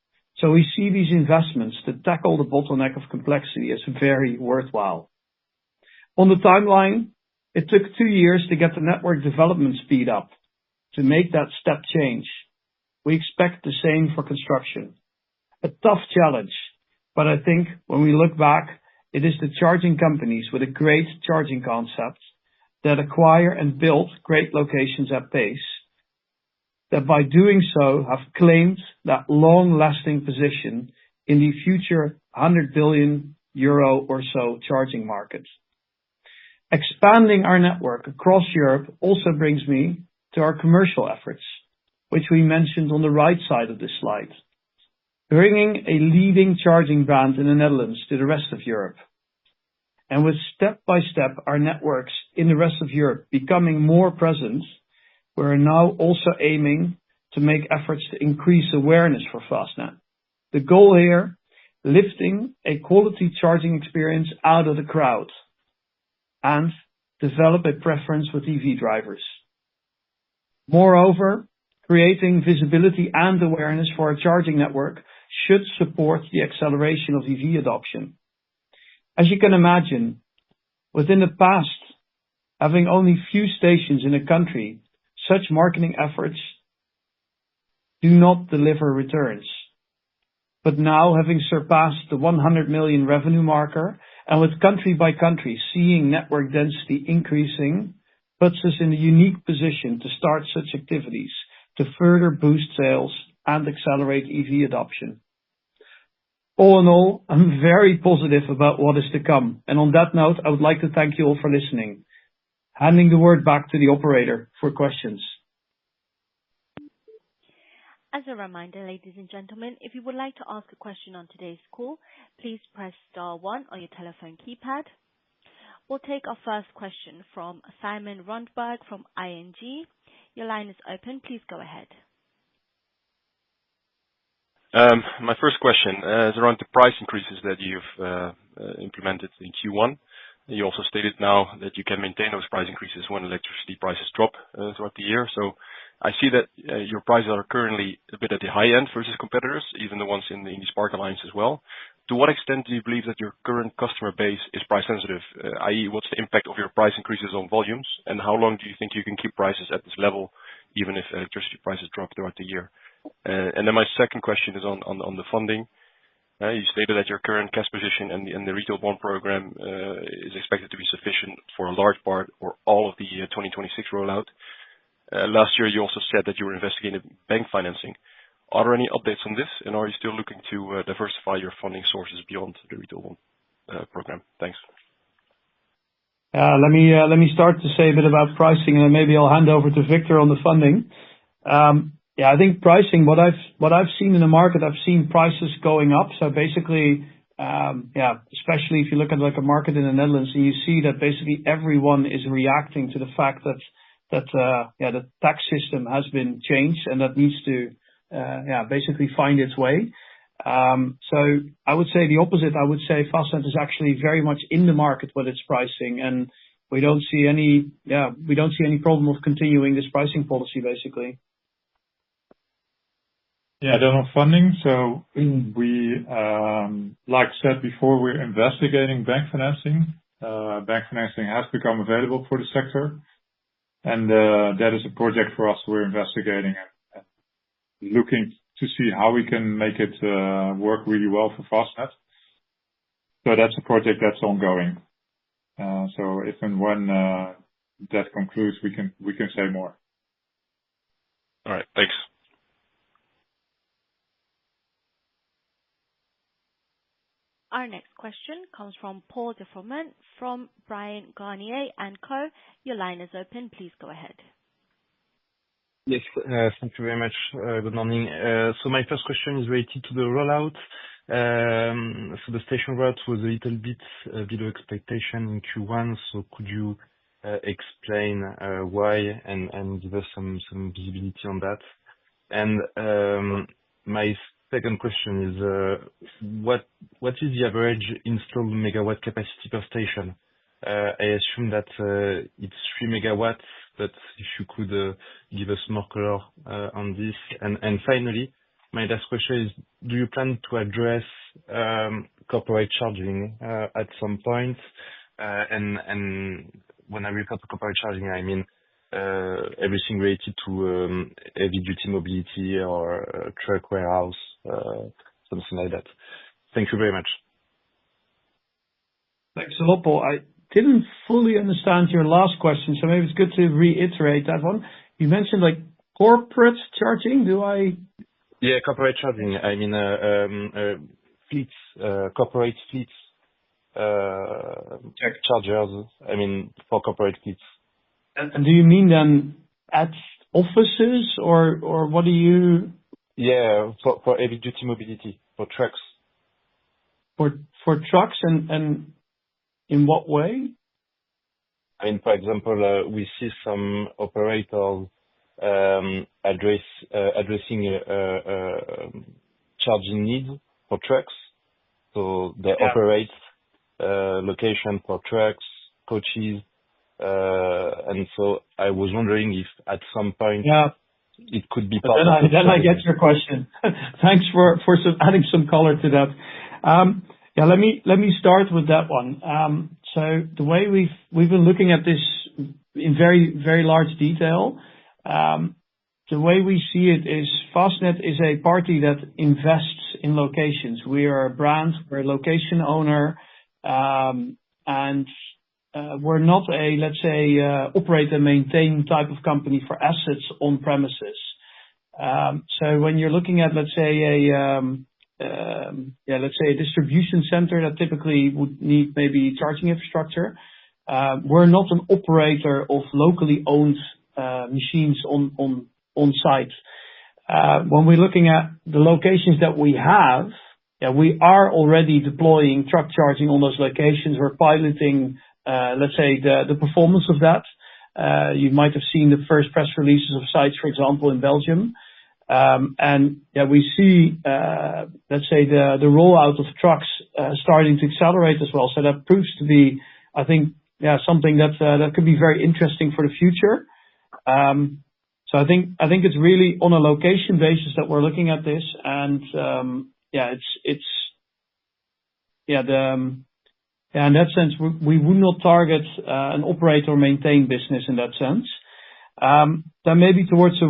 [SPEAKER 2] We see these investments to tackle the bottleneck of complexity as very worthwhile. On the timeline, it took two years to get the network development speed up to make that step change. We expect the same for construction. A tough challenge, but I think when we look back, it is the charging companies with a great charging concept that acquire and build great locations at pace, that by doing so have claimed that long-lasting position in the future 100 billion euro or so charging market. Expanding our network across Europe also brings me to our commercial efforts, which we mentioned on the right side of this slide. Bringing a leading charging brand in the Netherlands to the rest of Europe. With step by step, our networks in the rest of Europe becoming more present, we're now also aiming to make efforts to increase awareness for Fastned. The goal here, lifting a quality charging experience out of the crowd and develop a preference with EV drivers. Moreover, creating visibility and awareness for our charging network should support the acceleration of EV adoption. As you can imagine, within the past, having only few stations in a country, such marketing efforts do not deliver returns. Now, having surpassed the 100 million revenue marker, and with country by country seeing network density increasing, puts us in a unique position to start such activities to further boost sales and accelerate EV adoption. All in all, I'm very positive about what is to come. On that note, I would like to thank you all for listening. Handing the word back to the operator for questions.
[SPEAKER 1] As a reminder, ladies and gentlemen, if you would like to ask a question on today's call, please press star one on your telephone keypad. We'll take our first question from Thymen Rundberg from ING. Your line is open. Please go ahead.
[SPEAKER 4] My first question is around the price increases that you've implemented in Q1. You also stated now that you can maintain those price increases when electricity prices drop throughout the year. I see that your prices are currently a bit at the high end versus competitors, even the ones in the Spark Alliance as well. To what extent do you believe that your current customer base is price sensitive? I.e., what's the impact of your price increases on volumes, and how long do you think you can keep prices at this level even if electricity prices drop throughout the year? My second question is on the funding. You stated that your current cash position and the retail bond program is expected to be sufficient for a large part or all of the 2026 rollout. Last year, you also said that you were investigating bank financing. Are there any updates on this, and are you still looking to diversify your funding sources beyond the retail bond program? Thanks.
[SPEAKER 2] Let me start to say a bit about pricing, and then maybe I'll hand over to Victor on the funding. Yeah, I think pricing, what I've seen in the market, I've seen prices going up. Basically, especially if you look at a market in the Netherlands, you see that basically everyone is reacting to the fact that the tax system has been changed, and that needs to basically find its way. I would say the opposite. I would say Fastned is actually very much in the market with its pricing, and we don't see any problem with continuing this pricing policy, basically.
[SPEAKER 3] Yeah, I don't know funding. Like I said before, we're investigating bank financing. Bank financing has become available for the sector, and that is a project for us. We're investigating and looking to see how we can make it work really well for Fastned. That is a project that's ongoing. If and when that concludes, we can say more.
[SPEAKER 4] All right, thanks.
[SPEAKER 1] Our next question comes from Paul De Froment from Bryan Garnier & Co. Your line is open. Please go ahead.
[SPEAKER 5] Yes, thank you very much. Good morning. My first question is related to the rollout. The station route was a little bit below expectation in Q1. Could you explain why and give us some visibility on that? My second question is, what is the average installed megawatt capacity per station? I assume that it's three megawatts, but if you could give us more color on this. Finally, my last question is, do you plan to address corporate charging at some point? When I refer to corporate charging, I mean everything related to heavy-duty mobility or truck warehouse, something like that. Thank you very much.
[SPEAKER 2] Thanks a lot, Paul. I did not fully understand your last question, so maybe it is good to reiterate that one. You mentioned corporate charging. Do I?
[SPEAKER 5] Yeah, corporate charging. I mean corporate fleets, tech chargers, I mean for corporate fleets.
[SPEAKER 2] Do you mean then at offices or what do you?
[SPEAKER 5] Yeah, for heavy-duty mobility, for trucks.
[SPEAKER 2] For trucks and in what way?
[SPEAKER 5] I mean, for example, we see some operators addressing charging needs for trucks. They operate locations for trucks, coaches. I was wondering if at some point it could be part of the.
[SPEAKER 2] I get your question. Thanks for adding some color to that. Yeah, let me start with that one. The way we've been looking at this in very, very large detail, the way we see it is Fastned is a party that invests in locations. We are a brand. We're a location owner, and we're not a, let's say, operate-and-maintain type of company for assets on premises. When you're looking at, let's say, a distribution center that typically would need maybe charging infrastructure, we're not an operator of locally owned machines on site. When we're looking at the locations that we have, yeah, we are already deploying truck charging on those locations. We're piloting, let's say, the performance of that. You might have seen the first press releases of sites, for example, in Belgium. Yeah, we see, let's say, the rollout of trucks starting to accelerate as well. That proves to be, I think, yeah, something that could be very interesting for the future. I think it's really on a location basis that we're looking at this. Yeah, in that sense, we would not target an operator-maintained business in that sense. Maybe towards the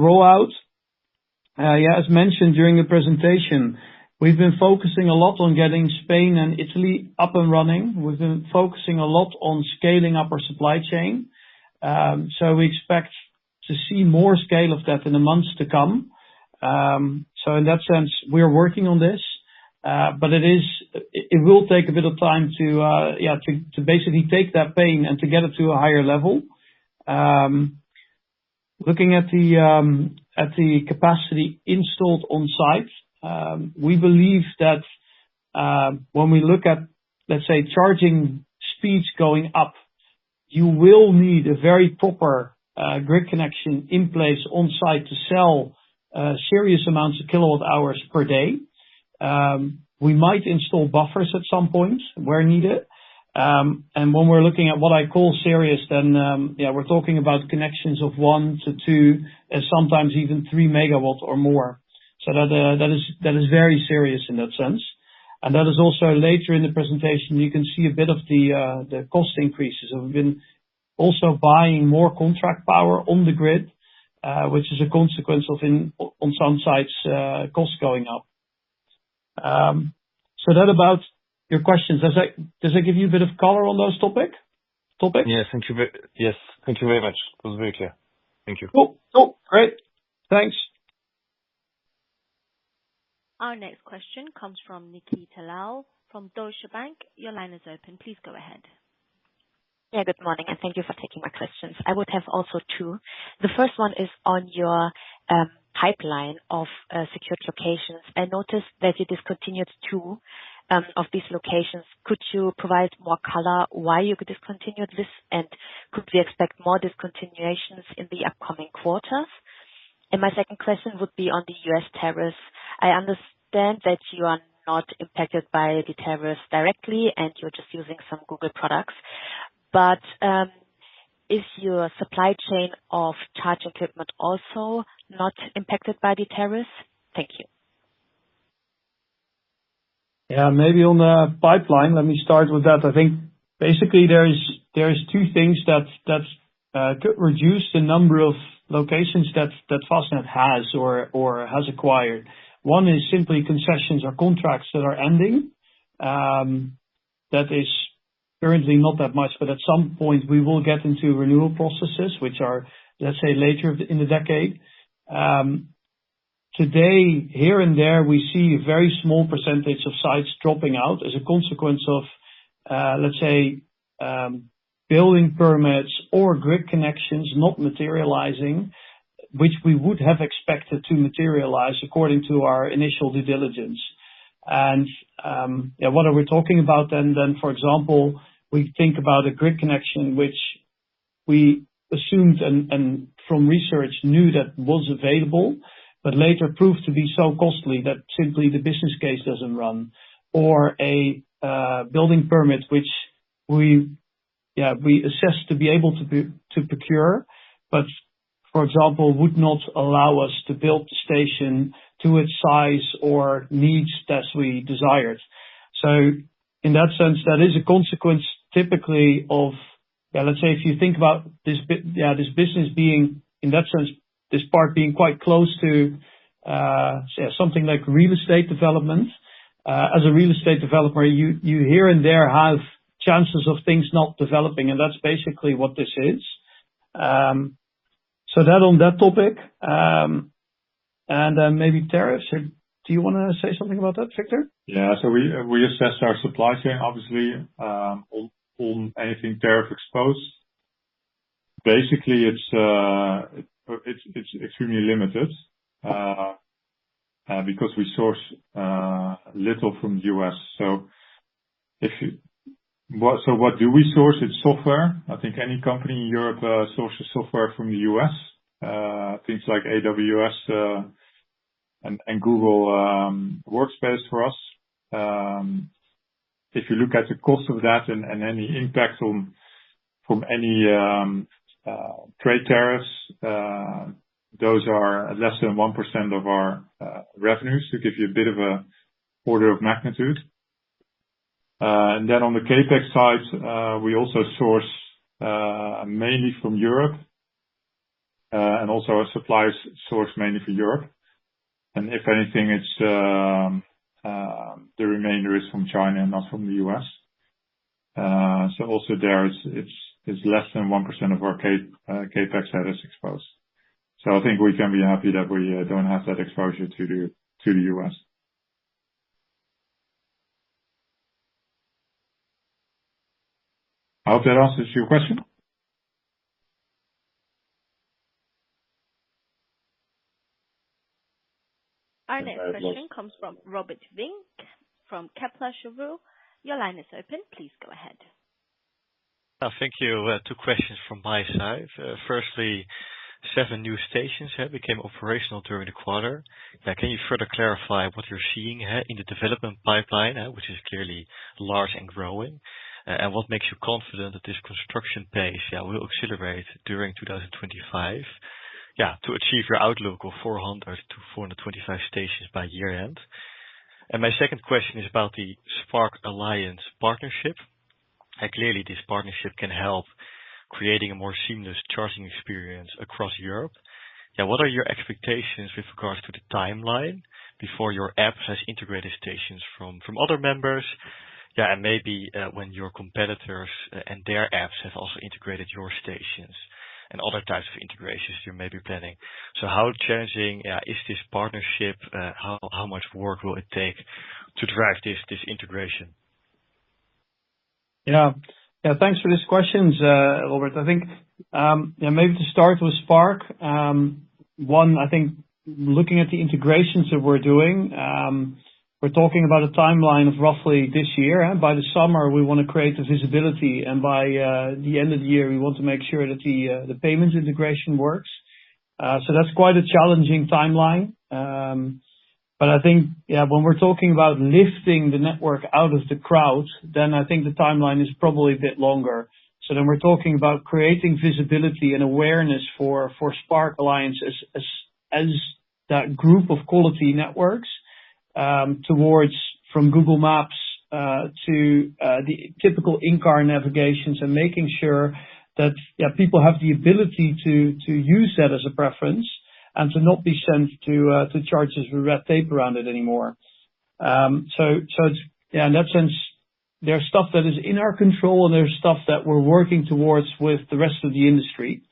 [SPEAKER 2] rollout, yeah, as mentioned during the presentation, we've been focusing a lot on getting Spain and Italy up and running. We've been focusing a lot on scaling up our supply chain. We expect to see more scale of that in the months to come. In that sense, we're working on this, but it will take a bit of time to basically take that pain and to get it to a higher level. Looking at the capacity installed on site, we believe that when we look at, let's say, charging speeds going up, you will need a very proper grid connection in place on site to sell serious amounts of kilowatt-hours per day. We might install buffers at some point where needed. When we're looking at what I call serious, then yeah, we're talking about connections of one to two and sometimes even three megawatts or more. That is very serious in that sense. That is also later in the presentation, you can see a bit of the cost increases. We've been also buying more contract power on the grid, which is a consequence of, on some sites, costs going up. That about your questions. Does it give you a bit of color on those topics?
[SPEAKER 5] Yeah, thank you very much. That was very clear. Thank you.
[SPEAKER 2] Cool. Great. Thanks.
[SPEAKER 1] Our next question comes from Nikki Dalal from Deutsche Bank. Your line is open. Please go ahead.
[SPEAKER 6] Yeah, good morning, and thank you for taking my questions. I would have also two. The first one is on your pipeline of secured locations. I noticed that you discontinued two of these locations. Could you provide more color why you discontinued this, and could we expect more discontinuations in the upcoming quarters? My second question would be on the U.S. tariffs. I understand that you are not impacted by the tariffs directly, and you're just using some Google products. Is your supply chain of charge equipment also not impacted by the tariffs? Thank you.
[SPEAKER 2] Yeah, maybe on the pipeline, let me start with that. I think basically there are two things that could reduce the number of locations that Fastned has or has acquired. One is simply concessions or contracts that are ending. That is currently not that much, but at some point, we will get into renewal processes, which are, let's say, later in the decade. Today, here and there, we see a very small percentage of sites dropping out as a consequence of, let's say, building permits or grid connections not materializing, which we would have expected to materialize according to our initial due diligence. What are we talking about then? For example, we think about a grid connection, which we assumed and from research knew that was available, but later proved to be so costly that simply the business case doesn't run, or a building permit, which we assessed to be able to procure, but for example, would not allow us to build the station to its size or needs that we desired. In that sense, that is a consequence typically of, let's say, if you think about this business being, in that sense, this part being quite close to something like real estate development. As a real estate developer, you here and there have chances of things not developing, and that's basically what this is. On that topic. Maybe tariffs. Do you want to say something about that, Victor?
[SPEAKER 3] Yeah. We assess our supply chain, obviously, on anything tariff-exposed. Basically, it's extremely limited because we source little from the U.S. What do we source? It's software. I think any company in Europe sources software from the U.S. Things like AWS and Google Workspace for us. If you look at the cost of that and any impact from any trade tariffs, those are less than 1% of our revenues, to give you a bit of an order of magnitude. On the CapEx side, we also source mainly from Europe, and also our suppliers source mainly from Europe. If anything, the remainder is from China and not from the U.S. Also there, it is less than 1% of our CapEx that is exposed. I think we can be happy that we do not have that exposure to the U.S.
[SPEAKER 2] I hope that answers your question.
[SPEAKER 1] Our next question comes from Robert Vink from Kepler Cheuvreux. Your line is open. Please go ahead.
[SPEAKER 7] Thank you. Two questions from my side. Firstly, seven new stations became operational during the quarter. Can you further clarify what you're seeing in the development pipeline, which is clearly large and growing, and what makes you confident that this construction pace will accelerate during 2025 to achieve your outlook of 400-425 stations by year-end? My second question is about the Spark Alliance partnership. Clearly, this partnership can help create a more seamless charging experience across Europe. What are your expectations with regards to the timeline before your app has integrated stations from other members? Maybe when your competitors and their apps have also integrated your stations and other types of integrations you may be planning. How challenging is this partnership? How much work will it take to drive this integration?
[SPEAKER 2] Yeah. Thanks for these questions, Robert. I think maybe to start with Spark, one, I think looking at the integrations that we're doing, we're talking about a timeline of roughly this year. By the summer, we want to create visibility, and by the end of the year, we want to make sure that the payments integration works. That is quite a challenging timeline. I think when we're talking about lifting the network out of the crowd, the timeline is probably a bit longer. We are talking about creating visibility and awareness for Spark Alliance as that group of quality networks from Google Maps to the typical in-car navigations and making sure that people have the ability to use that as a preference and to not be sent to chargers with red tape around it anymore. In that sense, there's stuff that is in our control, and there's stuff that we're working towards with the rest of the industry.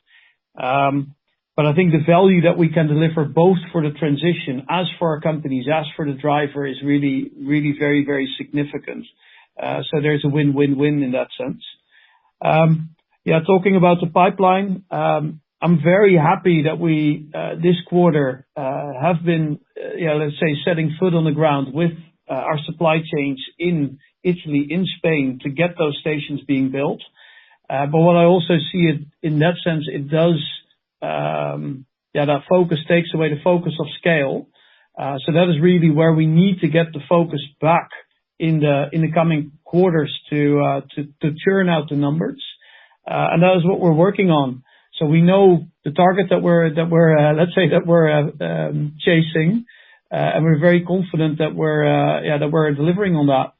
[SPEAKER 2] I think the value that we can deliver both for the transition, as for our companies, as for the driver, is really very, very significant. There's a win-win-win in that sense. Yeah, talking about the pipeline, I'm very happy that we this quarter have been, let's say, setting foot on the ground with our supply chains in Italy, in Spain, to get those stations being built. What I also see in that sense, it does that focus takes away the focus of scale. That is really where we need to get the focus back in the coming quarters to churn out the numbers. That is what we're working on. We know the target that we're, let's say, that we're chasing, and we're very confident that we're delivering on that.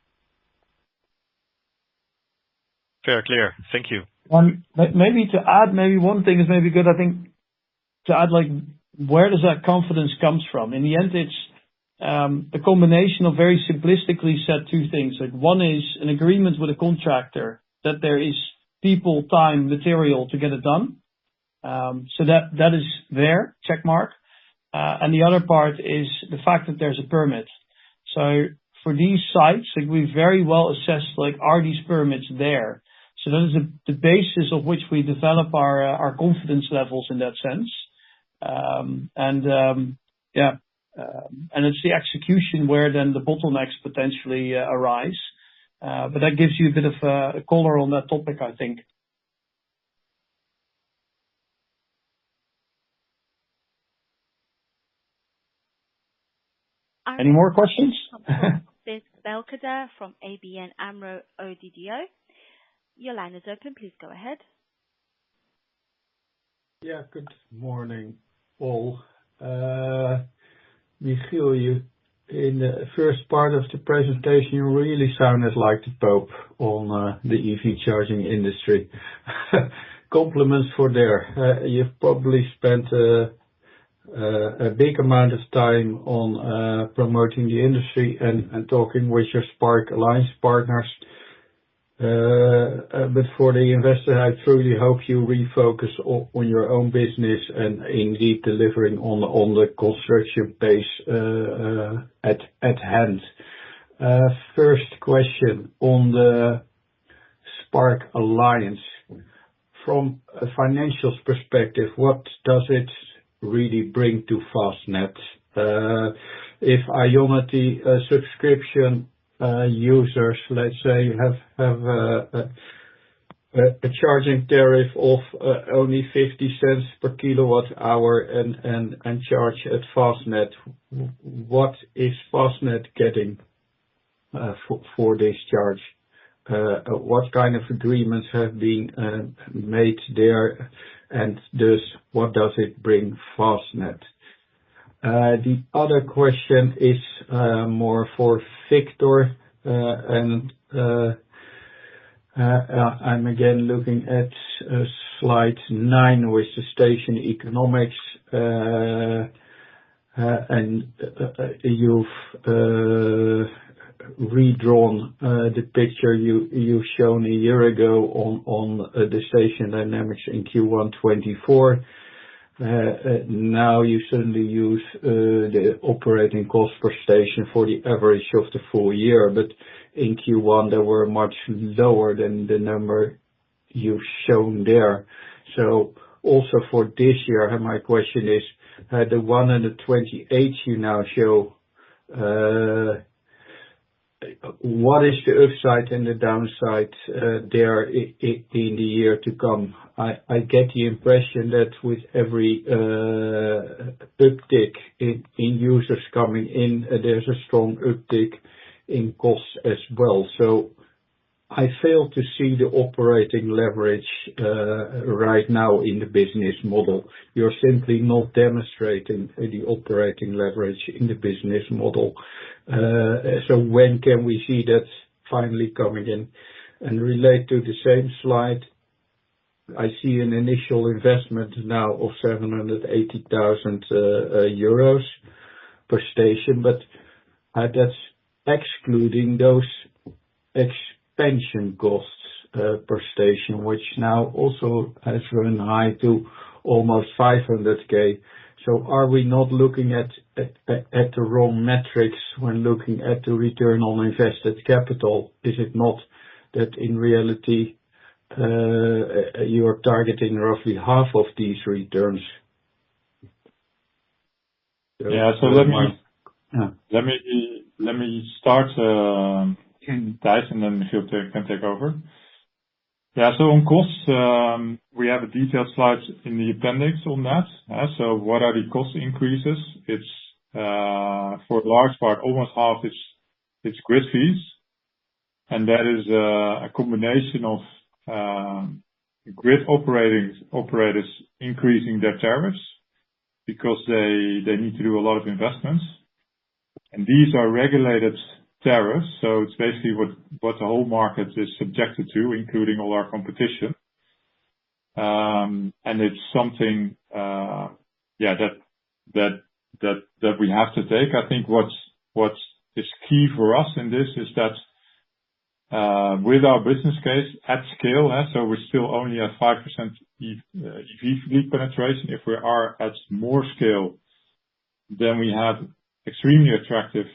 [SPEAKER 7] Very clear. Thank you.
[SPEAKER 2] Maybe to add, maybe one thing is maybe good, I think, to add where does that confidence come from? In the end, it's the combination of very simplistically said two things. One is an agreement with a contractor that there is people, time, material to get it done. That is there, check mark. The other part is the fact that there's a permit. For these sites, we very well assess, are these permits there? That is the basis of which we develop our confidence levels in that sense. Yeah, and it's the execution where then the bottlenecks potentially arise. That gives you a bit of a color on that topic, I think. Any more questions?
[SPEAKER 1] This is Berkelder from ABN AMRO ODDO. Your line is open. Please go ahead. Yeah.
[SPEAKER 8] Good morning, all. Michiel, in the first part of the presentation, you really sounded like the pope on the EV charging industry. Compliments for there. You've probably spent a big amount of time on promoting the industry and talking with your Spark Alliance partners. For the investor, I truly hope you refocus on your own business and indeed delivering on the construction pace at hand. First question on the Spark Alliance. From a financial perspective, what does it really bring to Fastned? If Ionity subscription users, let's say, have a charging tariff of only 0.50 per kilowatt-hour and charge at Fastned, what is Fastned getting for this charge? What kind of agreements have been made there? What does it bring Fastned? The other question is more for Victor. I'm again looking at slide 9, which is station economics. You've redrawn the picture you've shown a year ago on the station dynamics in Q1 2024. You certainly use the operating cost per station for the average of the full year. In Q1, they were much lower than the number you've shown there. For this year, my question is, the 128 you now show, what is the upside and the downside there in the year to come? I get the impression that with every uptick in users coming in, there's a strong uptick in costs as well. I fail to see the operating leverage right now in the business model. You're simply not demonstrating the operating leverage in the business model. When can we see that finally coming in? Related to the same slide, I see an initial investment now of 780,000 euros per station, but that's excluding those expansion costs per station, which now also has run high to almost 500,000. Are we not looking at the wrong metrics when looking at the return on invested capital? Is it not that in reality, you're targeting roughly half of these returns?
[SPEAKER 3] Yeah. Let me start, and then if you can take over. Yeah. On costs, we have a detailed slide in the appendix on that. What are the cost increases? For a large part, almost half, it's grid fees. That is a combination of grid operators increasing their tariffs because they need to do a lot of investments. These are regulated tariffs. It's basically what the whole market is subjected to, including all our competition. It is something that we have to take. I think what is key for us in this is that with our business case at scale, we are still only at 5% EV penetration. If we are at more scale, then we have extremely attractive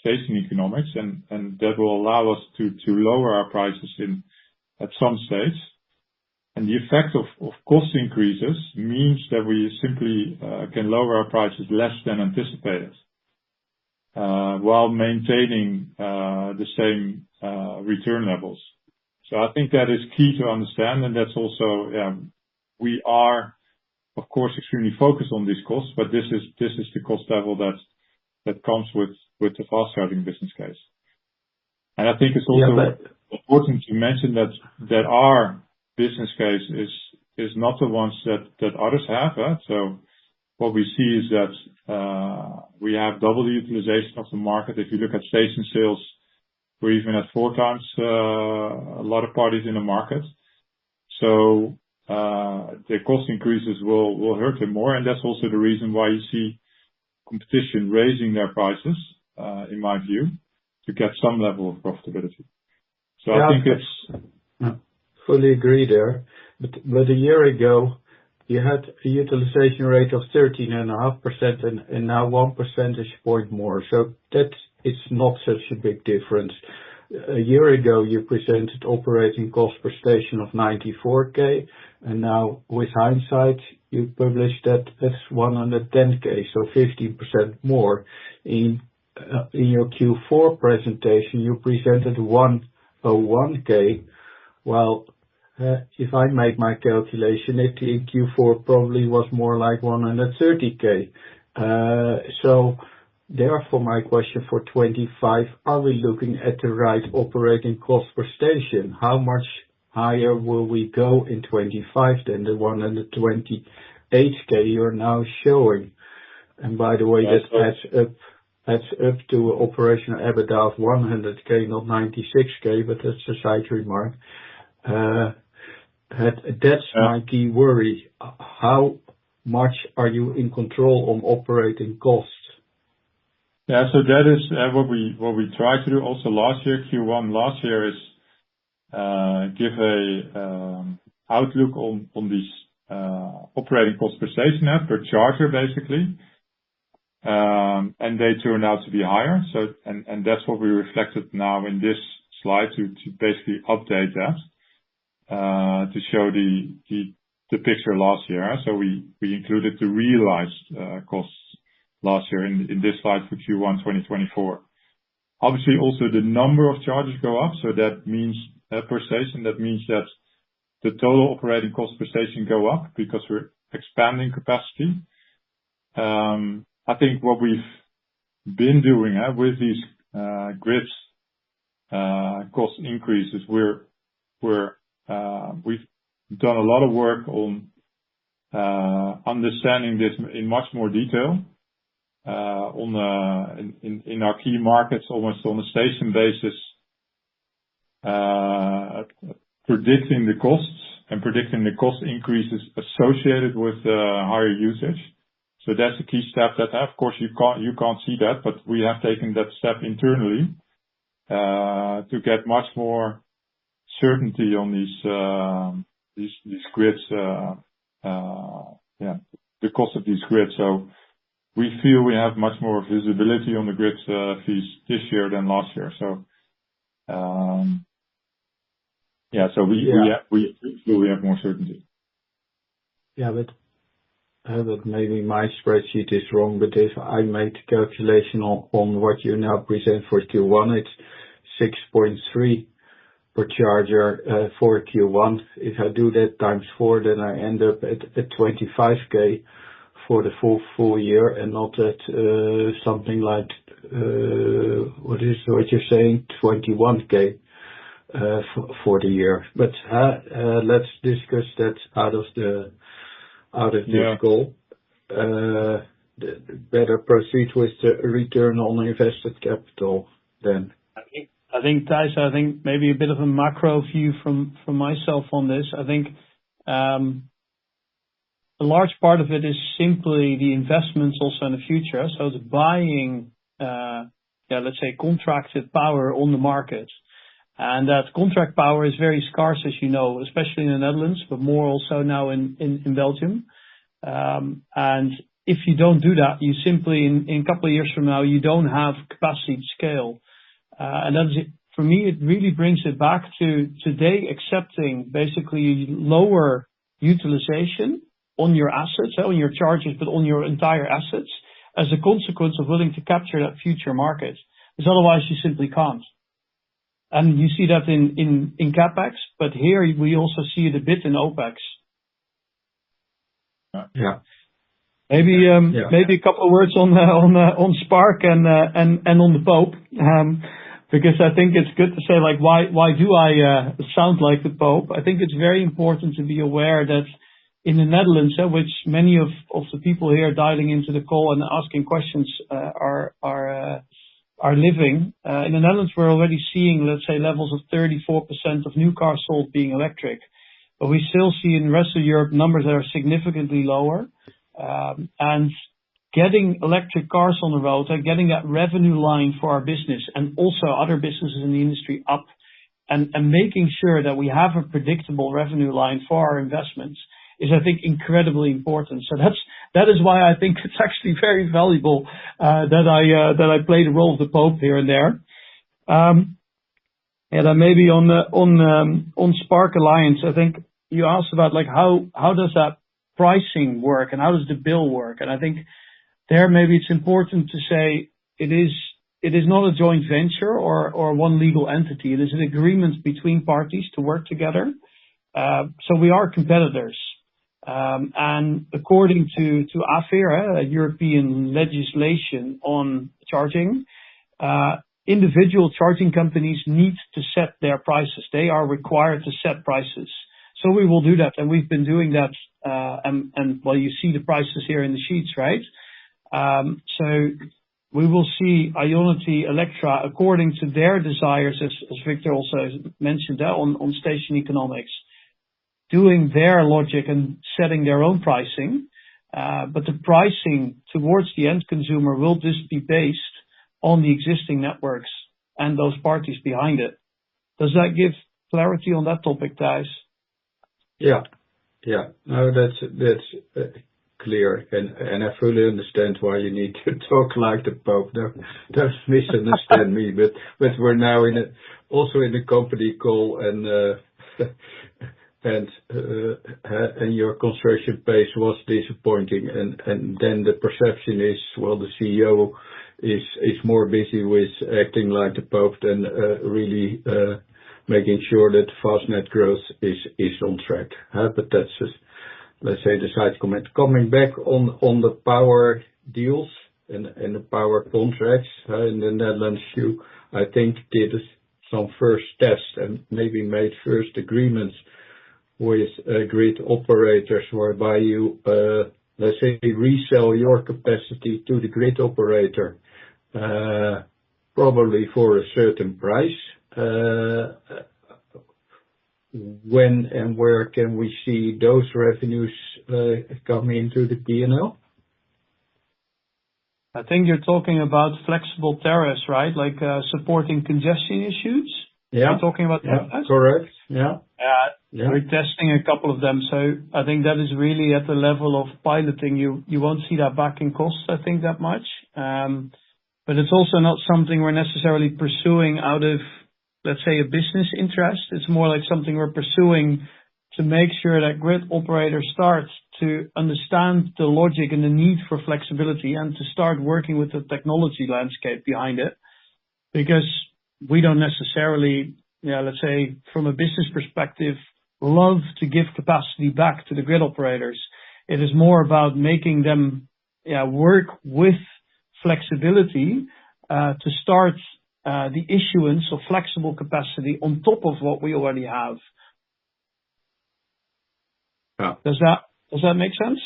[SPEAKER 3] station economics, and that will allow us to lower our prices at some stage. The effect of cost increases means that we simply can lower our prices less than anticipated while maintaining the same return levels. I think that is key to understand. We are, of course, extremely focused on these costs, but this is the cost level that comes with the fast charging business case. I think it is also important to mention that our business case is not the ones that others have. What we see is that we have double the utilization of the market. If you look at station sales, we're even at four times a lot of parties in the market. The cost increases will hurt them more. That is also the reason why you see competition raising their prices, in my view, to get some level of profitability.
[SPEAKER 8] I think it's I fully agree there. A year ago, you had a utilization rate of 13.5%, and now 1 percentage point more. It is not such a big difference. A year ago, you presented operating cost per station of 94,000. Now, with hindsight, you published that it's 110,000, so 15% more. In your Q4 presentation, you presented 101,000, while if I made my calculation, it in Q4 probably was more like 130,000. Therefore, my question for 2025, are we looking at the right operating cost per station? How much higher will we go in 2025 than the 128,000 you're now showing? By the way, that adds up to operational EBITDA of 100,000, not 96,000, but that's a side remark. That's my key worry. How much are you in control on operating costs?
[SPEAKER 3] Yeah. That is what we tried to do also last year, Q1 last year, is give an outlook on these operating cost per station per charger, basically. They turned out to be higher. That's what we reflected now in this slide to basically update that to show the picture last year. We included the realized costs last year in this slide for Q1 2024. Obviously, also the number of chargers go up. That means per station, that means that the total operating cost per station go up because we're expanding capacity. I think what we've been doing with these grids cost increases, we've done a lot of work on understanding this in much more detail in our key markets, almost on a station basis, predicting the costs and predicting the cost increases associated with higher usage. That's a key step that, of course, you can't see that, but we have taken that step internally to get much more certainty on these grids, the cost of these grids. We feel we have much more visibility on the grids this year than last year. Yeah, we feel we have more certainty.
[SPEAKER 8] Maybe my spreadsheet is wrong with this. I made a calculation on what you now present for Q1. It's 6.3 per charger for Q1. If I do that times four, then I end up at 25,000 for the full year and not at something like, what is it? What you're saying, 21,000 for the year. Let's discuss that out of this call. Better proceed with the return on invested capital then.
[SPEAKER 2] I think, Thijs, I think maybe a bit of a macro view from myself on this. I think a large part of it is simply the investments also in the future. It's buying, let's say, contracted power on the market. That contracted power is very scarce, as you know, especially in the Netherlands, but more also now in Belgium. If you don't do that, you simply, in a couple of years from now, you don't have capacity to scale. For me, it really brings it back to today, accepting basically lower utilization on your assets, on your chargers, but on your entire assets as a consequence of willing to capture that future market. Because otherwise, you simply can't. You see that in CapEx. Here, we also see it a bit in OpEx. Maybe a couple of words on Spark and on the Pope. I think it's good to say, why do I sound like the Pope? I think it's very important to be aware that in the Netherlands, which many of the people here are dialing into the call and asking questions are living. In the Netherlands, we're already seeing, let's say, levels of 34% of new cars sold being electric. We still see in the rest of Europe numbers that are significantly lower. Getting electric cars on the road and getting that revenue line for our business and also other businesses in the industry up and making sure that we have a predictable revenue line for our investments is, I think, incredibly important. That is why I think it's actually very valuable that I played the role of the Pope here and there. Maybe on Spark Alliance, I think you asked about how does that pricing work and how does the bill work. I think there maybe it's important to say it is not a joint venture or one legal entity. It is an agreement between parties to work together. We are competitors. According to AFERA, European legislation on charging, individual charging companies need to set their prices. They are required to set prices. We will do that. We have been doing that. You see the prices here in the sheets, right? We will see IONITY, Electra, according to their desires, as Victor also mentioned on station economics, doing their logic and setting their own pricing. The pricing towards the end consumer will just be based on the existing networks and those parties behind it. Does that give clarity on that topic, Thijs?
[SPEAKER 8] Yeah. Yeah. No, that's clear. I fully understand why you need to talk like the Pope. Do not misunderstand me. We are now also in a company call, and your construction pace was disappointing. The perception is, the CEO is more busy with acting like the Pope than really making sure that Fastned growth is on track. That is, let's say, the side comment. Coming back on the power deals and the power contracts in the Netherlands, you, I think, did some first tests and maybe made first agreements with grid operators whereby you, let's say, resell your capacity to the grid operator, probably for a certain price. When and where can we see those revenues coming into the P&L?
[SPEAKER 2] I think you're talking about flexible tariffs, right? Like supporting congestion issues. Are you talking about that?
[SPEAKER 8] Yeah. Correct. Yeah. We're testing a couple of them. I think that is really at the level of piloting. You won't see that back in costs, I think, that much. It is also not something we're necessarily pursuing out of, let's say, a business interest. It's more like something we're pursuing to make sure that grid operators start to understand the logic and the need for flexibility and to start working with the technology landscape behind it. Because we don't necessarily, let's say, from a business perspective, love to give capacity back to the grid operators. It is more about making them work with flexibility to start the issuance of flexible capacity on top of what we already have. Does that make sense?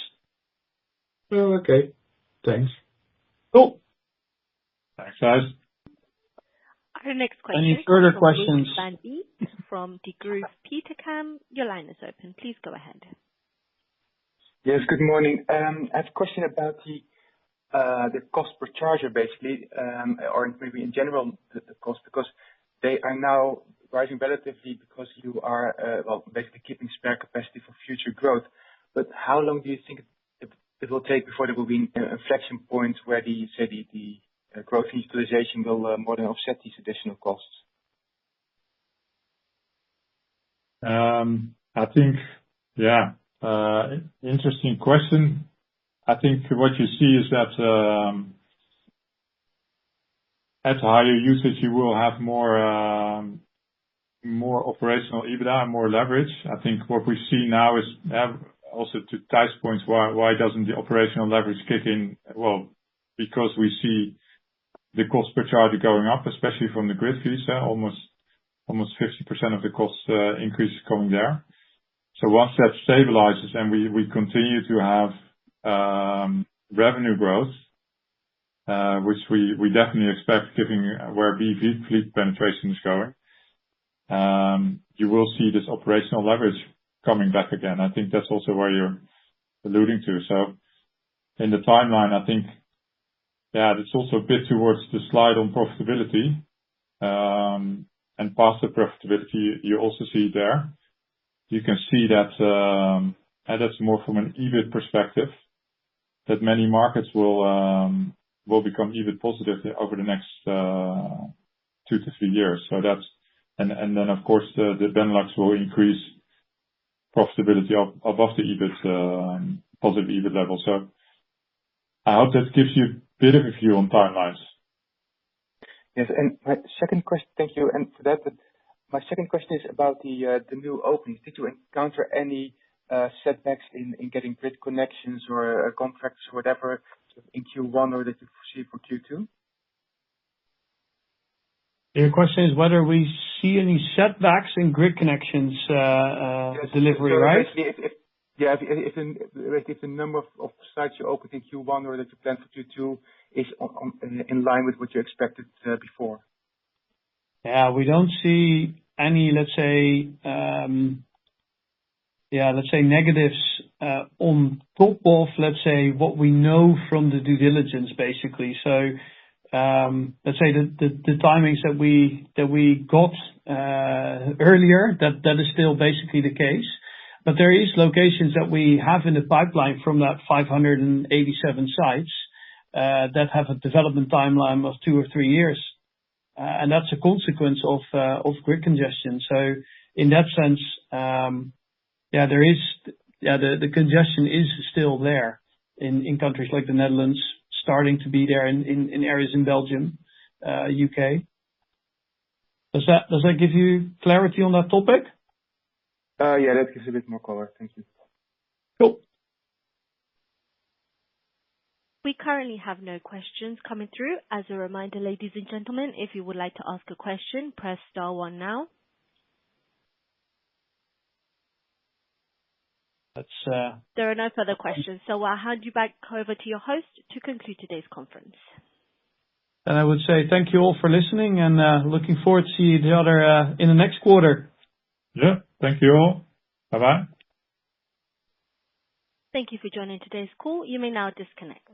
[SPEAKER 8] Okay. Thanks.
[SPEAKER 2] Cool.
[SPEAKER 8] Thanks, guys.
[SPEAKER 1] Our next question. *crosstalk*
[SPEAKER 2] Any further questions?
[SPEAKER 1] Luuk van Beek From Degroof Petercam. Your line is open. Please go ahead.
[SPEAKER 9] Yes. Good morning. I have a question about the cost per charger, basically, or maybe in general, the cost, because they are now rising relatively because you are, basically keeping spare capacity for future growth. How long do you think it will take before there will be inflection points where the, say, the growth and utilization will more than offset these additional costs?
[SPEAKER 3] I think, yeah. Interesting question. I think what you see is that at higher usage, you will have more operational EBITDA, more leverage. I think what we see now is also to Thijs's point, why doesn't the operational leverage kick in? Because we see the cost per charger going up, especially from the grid fees, almost 50% of the cost increase is coming there. Once that stabilizes and we continue to have revenue growth, which we definitely expect given where EV fleet penetration is going, you will see this operational leverage coming back again. I think that's also where you're alluding to. In the timeline, I think, yeah, it's also a bit towards the slide on profitability. Past the profitability, you also see there, you can see that, and that's more from an EBIT perspective, that many markets will become EBIT positive over the next two to three years. Of course, the Benelux will increase profitability above the EBIT, positive EBIT level. I hope that gives you a bit of a view on timelines.
[SPEAKER 9] Yes. My second question, thank you. For that, my second question is about the new openings. Did you encounter any setbacks in getting grid connections or contracts or whatever in Q1 or that you foresee for Q2?
[SPEAKER 2] Your question is whether we see any setbacks in grid connections delivery, right?
[SPEAKER 9] Yeah. If the number of sites you open in Q1 or that you plan for Q2 is in line with what you expected before.
[SPEAKER 2] Yeah. We don't see any, let's say, yeah, let's say negatives on top of, let's say, what we know from the due diligence, basically. Let's say the timings that we got earlier, that is still basically the case. There are locations that we have in the pipeline from that 587 sites that have a development timeline of two or three years. That's a consequence of grid congestion. In that sense, yeah, the congestion is still there in countries like the Netherlands, starting to be there in areas in Belgium, U.K. Does that give you clarity on that topic?
[SPEAKER 9] Yeah. That gives a bit more color. Thank you.
[SPEAKER 2] Cool.
[SPEAKER 1] We currently have no questions coming through. As a reminder, ladies and gentlemen, if you would like to ask a question, press star one now. There are no further questions. I'll hand you back over to your host to conclude today's conference.
[SPEAKER 2] I would say thank you all for listening and looking forward to seeing each other in the next quarter.
[SPEAKER 3] Yeah. Thank you all. Bye-bye.
[SPEAKER 1] Thank you for joining today's call. You may now disconnect.